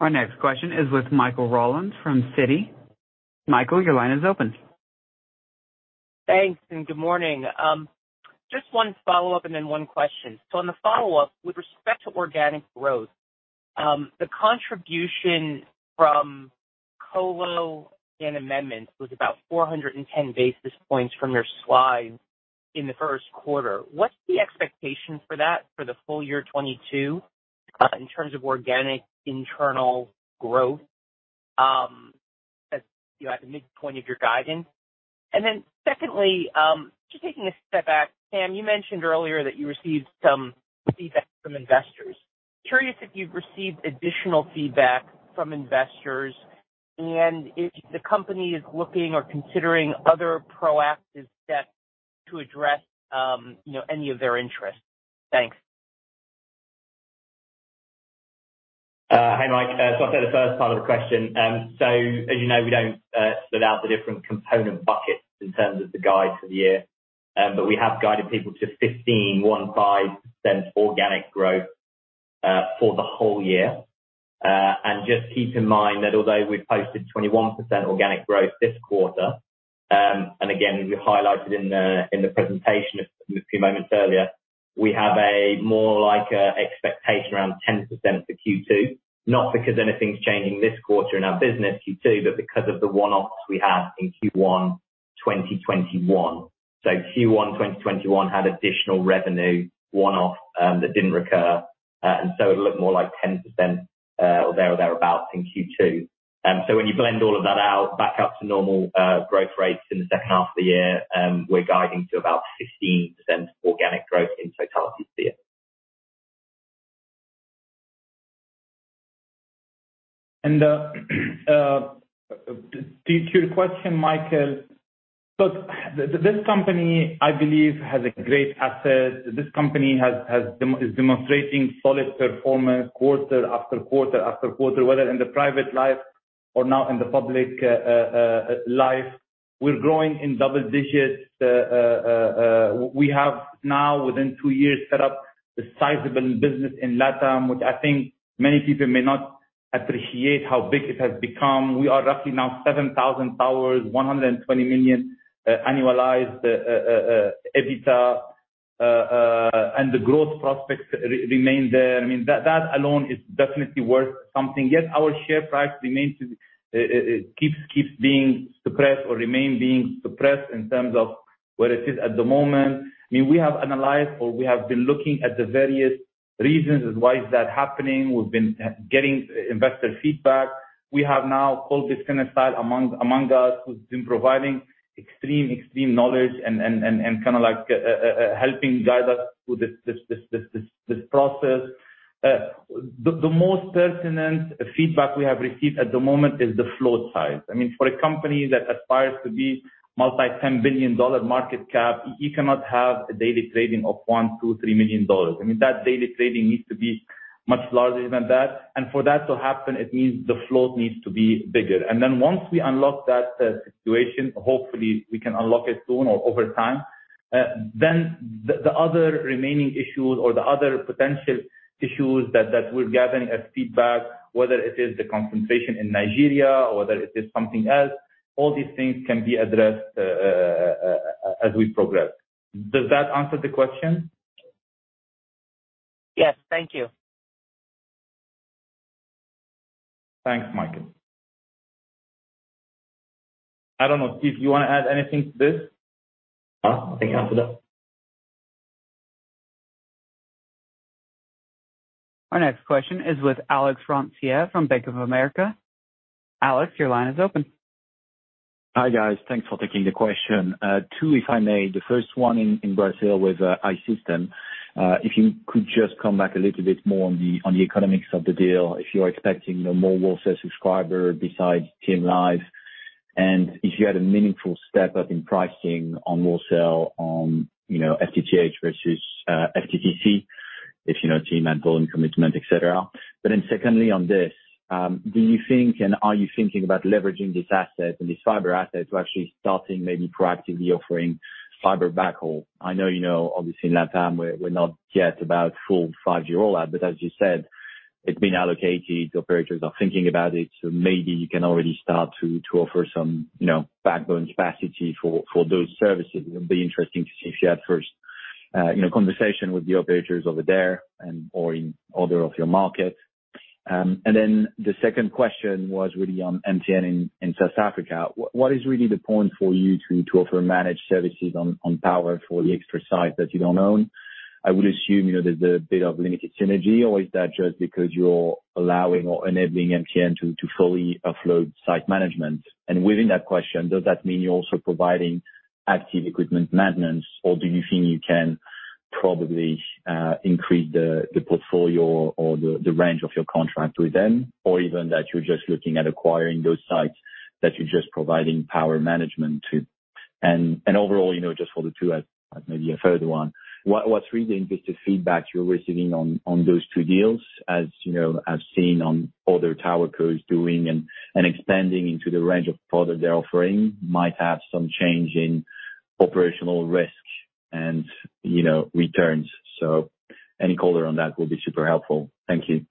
Our next question is with Michael Rollins from Citi. Michael, your line is open. Thanks, good morning. Just one follow-up and then one question. On the follow-up, with respect to organic growth, the contribution from colo and amendments was about 410 basis points from your slide in the first quarter. What's the expectation for that for the full year 2022, in terms of organic internal growth, you know, at the midpoint of your guidance? Secondly, just taking a step back, Sam, you mentioned earlier that you received some feedback from investors. Curious if you've received additional feedback from investors and if the company is looking or considering other proactive steps to address, you know, any of their interests. Thanks. Hi, Mike. I'll take the first part of the question. As you know, we don't split out the different component buckets in terms of the guide for the year. But we have guided people to 15.15% organic growth for the whole year. Just keep in mind that although we've posted 21% organic growth this quarter, and again, as we highlighted in the presentation a few moments earlier, we have a more like expectation around 10% for Q2, not because anything's changing this quarter in our business, Q2, but because of the one-offs we had in Q1 2021. Q1 2021 had additional revenue one-off that didn't recur. It'll look more like 10% or thereabouts in Q2. When you blend all of that out back up to normal growth rates in the second half of the year, we're guiding to about 15% organic growth in totality for the year. To your question, Michael. This company, I believe, has a great asset. This company is demonstrating solid performance quarter-after-quarter after quarter, whether in the private life or now in the public life. We're growing in double digits. We have now within two years set up a sizable business in Latin, which I think many people may not appreciate how big it has become. We are roughly now 7,000 towers, $120 million annualized EBITDA, and the growth prospects remain there. I mean, that alone is definitely worth something. Yet our share price keeps being suppressed or remains being suppressed in terms of where it is at the moment. I mean, we have analyzed or we have been looking at the various reasons as why is that happening. We've been getting investor feedback. We have now Paul Biskoulas among us, who's been providing extreme knowledge and kind of like helping guide us through this process. The most pertinent feedback we have received at the moment is the float size. I mean, for a company that aspires to be multi $10 billion market cap, you cannot have a daily trading of $1 million, $2 million, $3 million. I mean, that daily trading needs to be much larger than that. For that to happen, it means the float needs to be bigger. Once we unlock that situation, hopefully we can unlock it soon or over time, then the other remaining issues or the other potential issues that we're gathering as feedback, whether it is the concentration in Nigeria or whether it is something else, all these things can be addressed, as we progress. Does that answer the question? Yes. Thank you. Thanks, Michael. I don't know, Steve, you want to add anything to this? No. I think I answered that. Our next question is with Alex Rantier from Bank of America. Alex, your line is open. Hi, guys. Thanks for taking the question two, if I may. The first one in Brazil with I-Systems. If you could just come back a little bit more on the economics of the deal, if you're expecting more wholesale subscriber besides TIM Live, and if you had a meaningful step-up in pricing on wholesale on, you know, FTTH versus FTTC, if you know TIM had volume commitment, et cetera. Then secondly, on this, do you think, and are you thinking about leveraging this asset and this fiber asset to actually starting maybe proactively offering fiber backhaul? I know, you know, obviously in Latin we're not yet about full five-year rollout, but as you said, it's been allocated. The operators are thinking about it, so maybe you can already start to offer some, you know, backbone capacity for those services. It'll be interesting to see if you had first, you know, conversation with the operators over there and/or in other of your markets. The second question was really on MTN in South Africa. What is really the point for you to offer managed services on power for the extra site that you don't own? I would assume, you know, there's a bit of limited synergy or is that just because you're allowing or enabling MTN to fully offload site management? Within that question, does that mean you're also providing active equipment maintenance or do you think you can probably increase the portfolio or the range of your contract with them, or even that you're just looking at acquiring those sites that you're just providing power management to? Overall, you know, just for the two, as maybe a third one, what's really the investor feedback you're receiving on those two deals? As you know, I've seen other tower cos doing and expanding into the range of products they're offering might have some change in operational risk and, you know, returns. So any color on that will be super helpful. Thank you.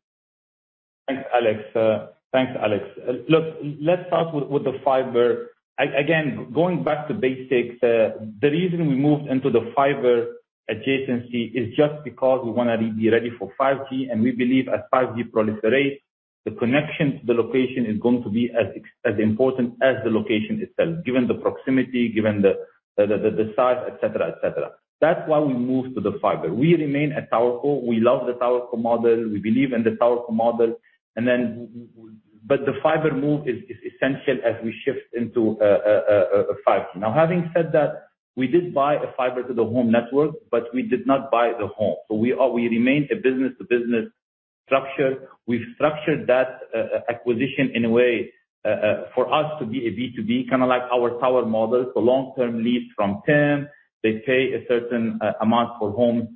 Thanks, Alex. Look, let's start with the fiber. Again, going back to basics, the reason we moved into the fiber adjacency is just because we wanna be ready for 5G, and we believe as 5G proliferates, the connection to the location is going to be as important as the location itself, given the proximity, given the size, et cetera, et cetera. That's why we moved to the fiber. We remain a towerco. We love the towerco model. We believe in the towerco model. The fiber move is essential as we shift into a 5G. Now, having said that, we did buy a fiber to the home network, but we did not buy the home. We remain a business-to-business structure. We've structured that acquisition in a way for us to be a B2B, kinda like our tower model. Long-term lease from TIM. They pay a certain amount for homes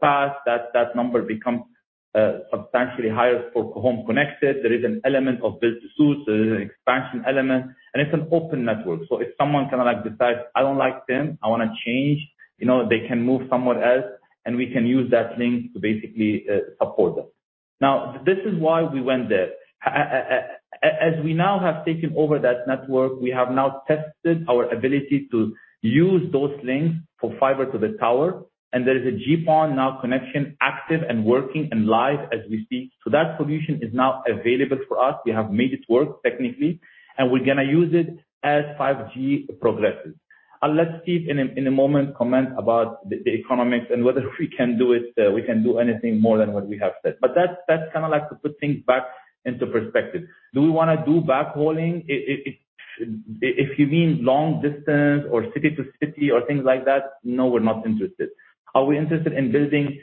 passed. That number becomes substantially higher for home connected. There is an element of build-to-suit. There is an expansion element, and it's an open network. If someone kinda like decides, "I don't like TIM, I wanna change," you know, they can move somewhere else, and we can use that link to basically support them. Now, this is why we went there. As we now have taken over that network, we have now tested our ability to use those links for fiber to the tower, and there is a GPON now connection active and working and live as we speak. That solution is now available for us. We have made it work technically, and we're gonna use it as 5G progresses. I'll let Steve in a moment comment about the economics and whether we can do it, we can do anything more than what we have said. That's kinda like to put things back into perspective. Do we wanna do backhauling? If you mean long distance or city to city or things like that, no, we're not interested. Are we interested in building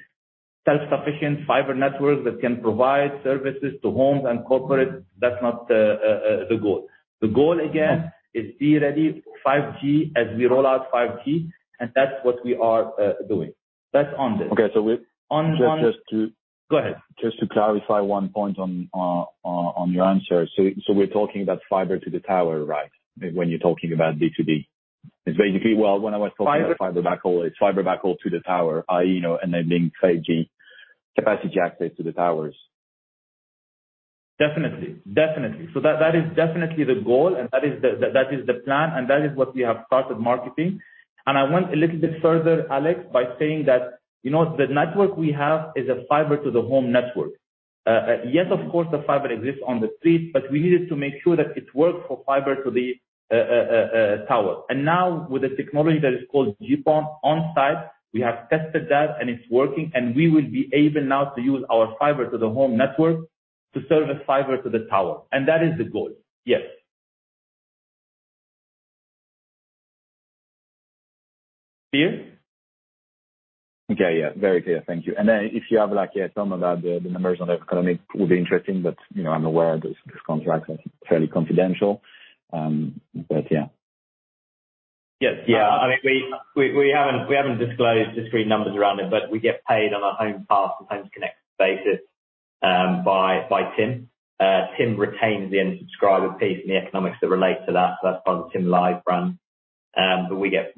self-sufficient fiber networks that can provide services to homes and corporate? That's not the goal. The goal again is be ready for 5G as we roll out 5G, and that's what we are doing. That's on this. Okay. On, on- Just to- Go ahead. Just to clarify one point on your answer. So we're talking about fiber to the tower, right? When you're talking about B2B. It's basically, well, when I was talking about fiber backhaul, it's fiber backhaul to the tower, i.e., you know, enabling 5G capacity access to the towers. Definitely. That is definitely the goal, and that is the plan, and that is what we have started marketing. I went a little bit further, Alex, by saying that, you know, the network we have is a fiber to the home network. Yes, of course, the fiber exists on the street, but we needed to make sure that it worked for fiber to the tower. Now with the technology that is called GPON on site, we have tested that and it's working, and we will be able now to use our fiber to the home network to service fiber to the tower. That is the goal. Yes. Clear? Okay. Yeah. Very clear. Thank you. Then if you have like, yeah, some of that, the numbers on the economic would be interesting, but, you know, I'm aware these contracts are fairly confidential. Yeah. Yes. Yeah, I mean, we haven't disclosed discrete numbers around it, but we get paid on a homes passed and homes connected basis by TIM. TIM retains the end subscriber piece and the economics that relate to that. That's part of the TIM Live run. We get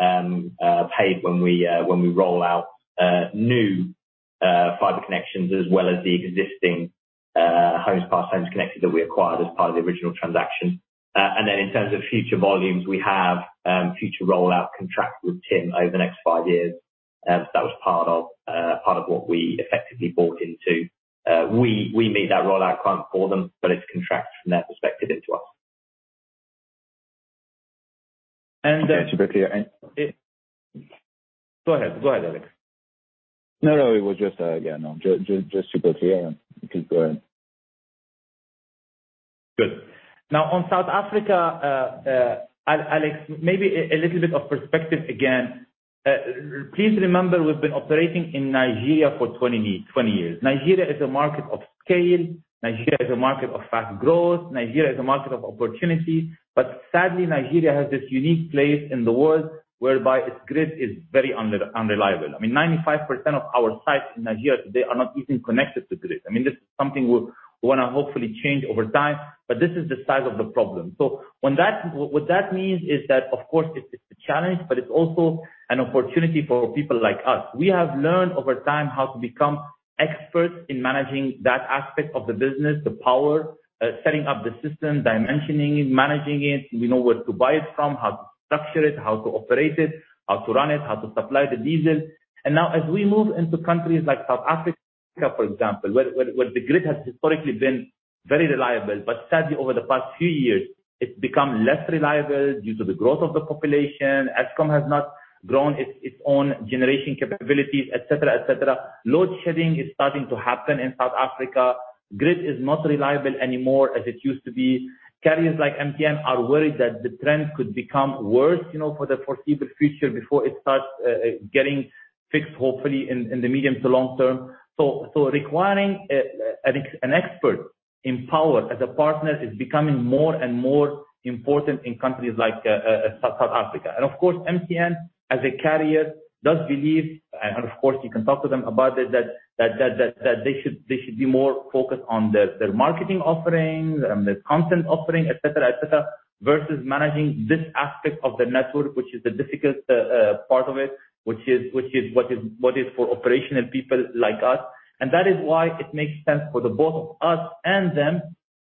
paid when we roll out new fiber connections as well as the existing homes passed, homes connected that we acquired as part of the original transaction. Then in terms of future volumes, we have future rollout contracts with TIM over the next five years. That was part of what we effectively bought into. We made that rollout commitment for them, but it's contractual from their perspective to us. And then- Just to be clear. Go ahead, Alex Rantier. No, no. It was just, yeah, no. Just to be clear. You can go ahead. Good. Now on South Africa, Alex, maybe a little bit of perspective again. Please remember, we've been operating in Nigeria for 20 years. Nigeria is a market of scale. Nigeria is a market of fast growth. Nigeria is a market of opportunity. Sadly, Nigeria has this unique place in the world whereby its grid is very unreliable. I mean, 95% of our sites in Nigeria today are not even connected to grid. I mean, this is something we wanna hopefully change over time, but this is the size of the problem. What that means is that, of course, it's a challenge, but it's also an opportunity for people like us. We have learned over time how to become experts in managing that aspect of the business, the power, setting up the system, dimensioning it, managing it. We know where to buy it from, how to structure it, how to operate it, how to run it, how to supply the diesel. Now as we move into countries like South Africa, for example, where the grid has historically been very reliable, but sadly, over the past few years, it's become less reliable due to the growth of the population. Eskom has not grown its own generation capabilities, et cetera. Load shedding is starting to happen in South Africa. Grid is not reliable anymore as it used to be. Carriers like MTN are worried that the trend could become worse, you know, for the foreseeable future before it starts getting fixed, hopefully in the medium to long term. Requiring an expert in power as a partner is becoming more and more important in countries like South Africa. Of course, MTN as a carrier does believe, and of course you can talk to them about it, that they should be more focused on their marketing offerings, their content offering, et cetera, versus managing this aspect of the network, which is the difficult part of it, which is what is for operational people like us. That is why it makes sense for both of us and them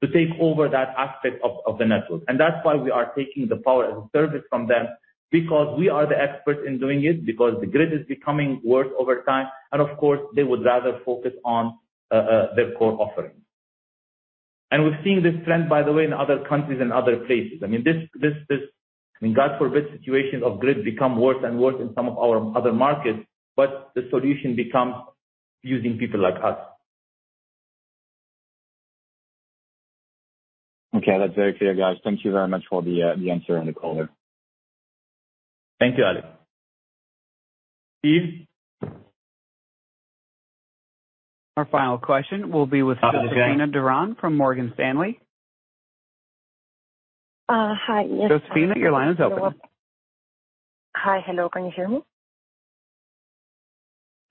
to take over that aspect of the network. That's why we are taking the power as a service from them because we are the experts in doing it, because the grid is becoming worse over time. Of course, they would rather focus on their core offering. We've seen this trend, by the way, in other countries and other places. I mean, God forbid, situations of grid become worse and worse in some of our other markets, but the solution becomes using people like us. Okay, that's very clear, guys. Thank you very much for the answer on the call. Thank you, Alex. Steve? Our final question will be with Josina Duran from Morgan Stanley. Hi. Yes. Josina, your line is open. Hi. Hello. Can you hear me?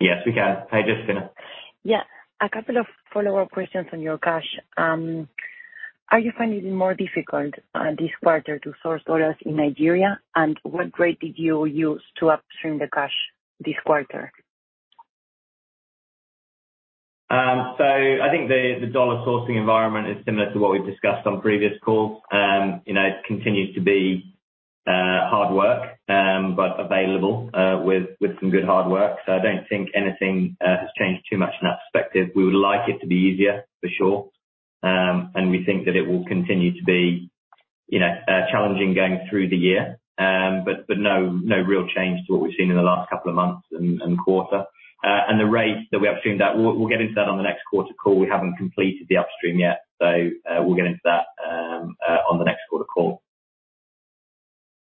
Yes, we can. Hi, Josina. A couple of follow-up questions on your cash. Are you finding it more difficult this quarter to source dollars in Nigeria? What rate did you use to upstream the cash this quarter? I think the dollar sourcing environment is similar to what we've discussed on previous calls. You know, it continues to be hard work, but available with some good hard work. I don't think anything has changed too much in that perspective. We would like it to be easier for sure. We think that it will continue to be, you know, challenging going through the year. But no real change to what we've seen in the last couple of months and quarter. The rates that we upstreamed at, we'll get into that on the next quarter call. We haven't completed the upstream yet, so we'll get into that on the next quarter call.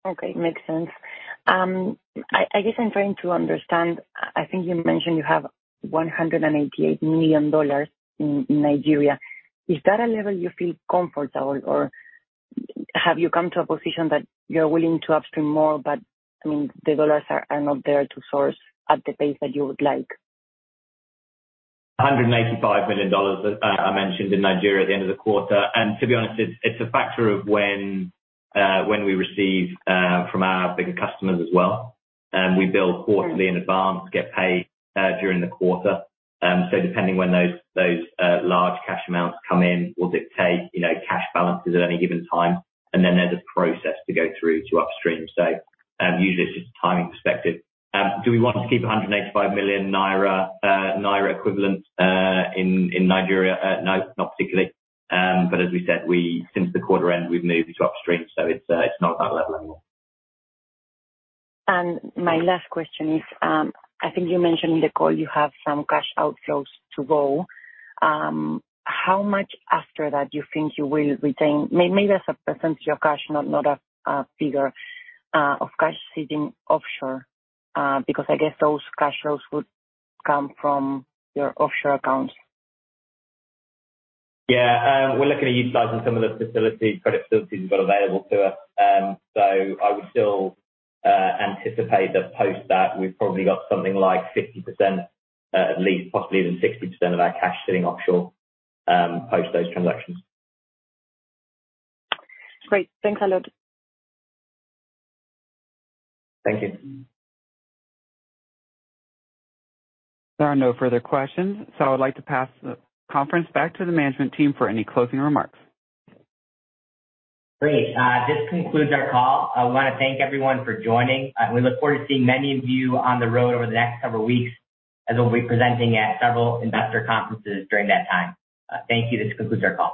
Okay. Makes sense. I guess I'm trying to understand. I think you mentioned you have $188 million in Nigeria. Is that a level you feel comfortable or have you come to a position that you're willing to upstream more, but I mean, the dollars are not there to source at the pace that you would like? $185 million I mentioned in Nigeria at the end of the quarter. To be honest, it's a factor of when we receive from our bigger customers as well. We bill quarterly in advance, get paid during the quarter. Depending when those large cash amounts come in will dictate, you know, cash balances at any given time. Then there's a process to go through to upstream. Usually it's just a timing perspective. Do we want to keep 185 million naira equivalent in Nigeria? No, not particularly. As we said, since the quarter end, we've moved upstream, so it's not at that level anymore. My last question is, I think you mentioned in the call you have some cash outflows to go. How much after that you think you will retain? Maybe as a percentage of cash, not a figure, of cash sitting offshore, because I guess those cash flows would come from your offshore accounts. We're looking at utilizing some of the facilities, credit facilities we've got available to us. I would still anticipate that post that we've probably got something like 50%, at least possibly even 60% of our cash sitting offshore, post those transactions. Great. Thanks a lot. Thank you. There are no further questions, so I would like to pass the conference back to the management team for any closing remarks. Great. This concludes our call. I wanna thank everyone for joining. We look forward to seeing many of you on the road over the next several weeks, as we'll be presenting at several investor conferences during that time. Thank you. This concludes our call.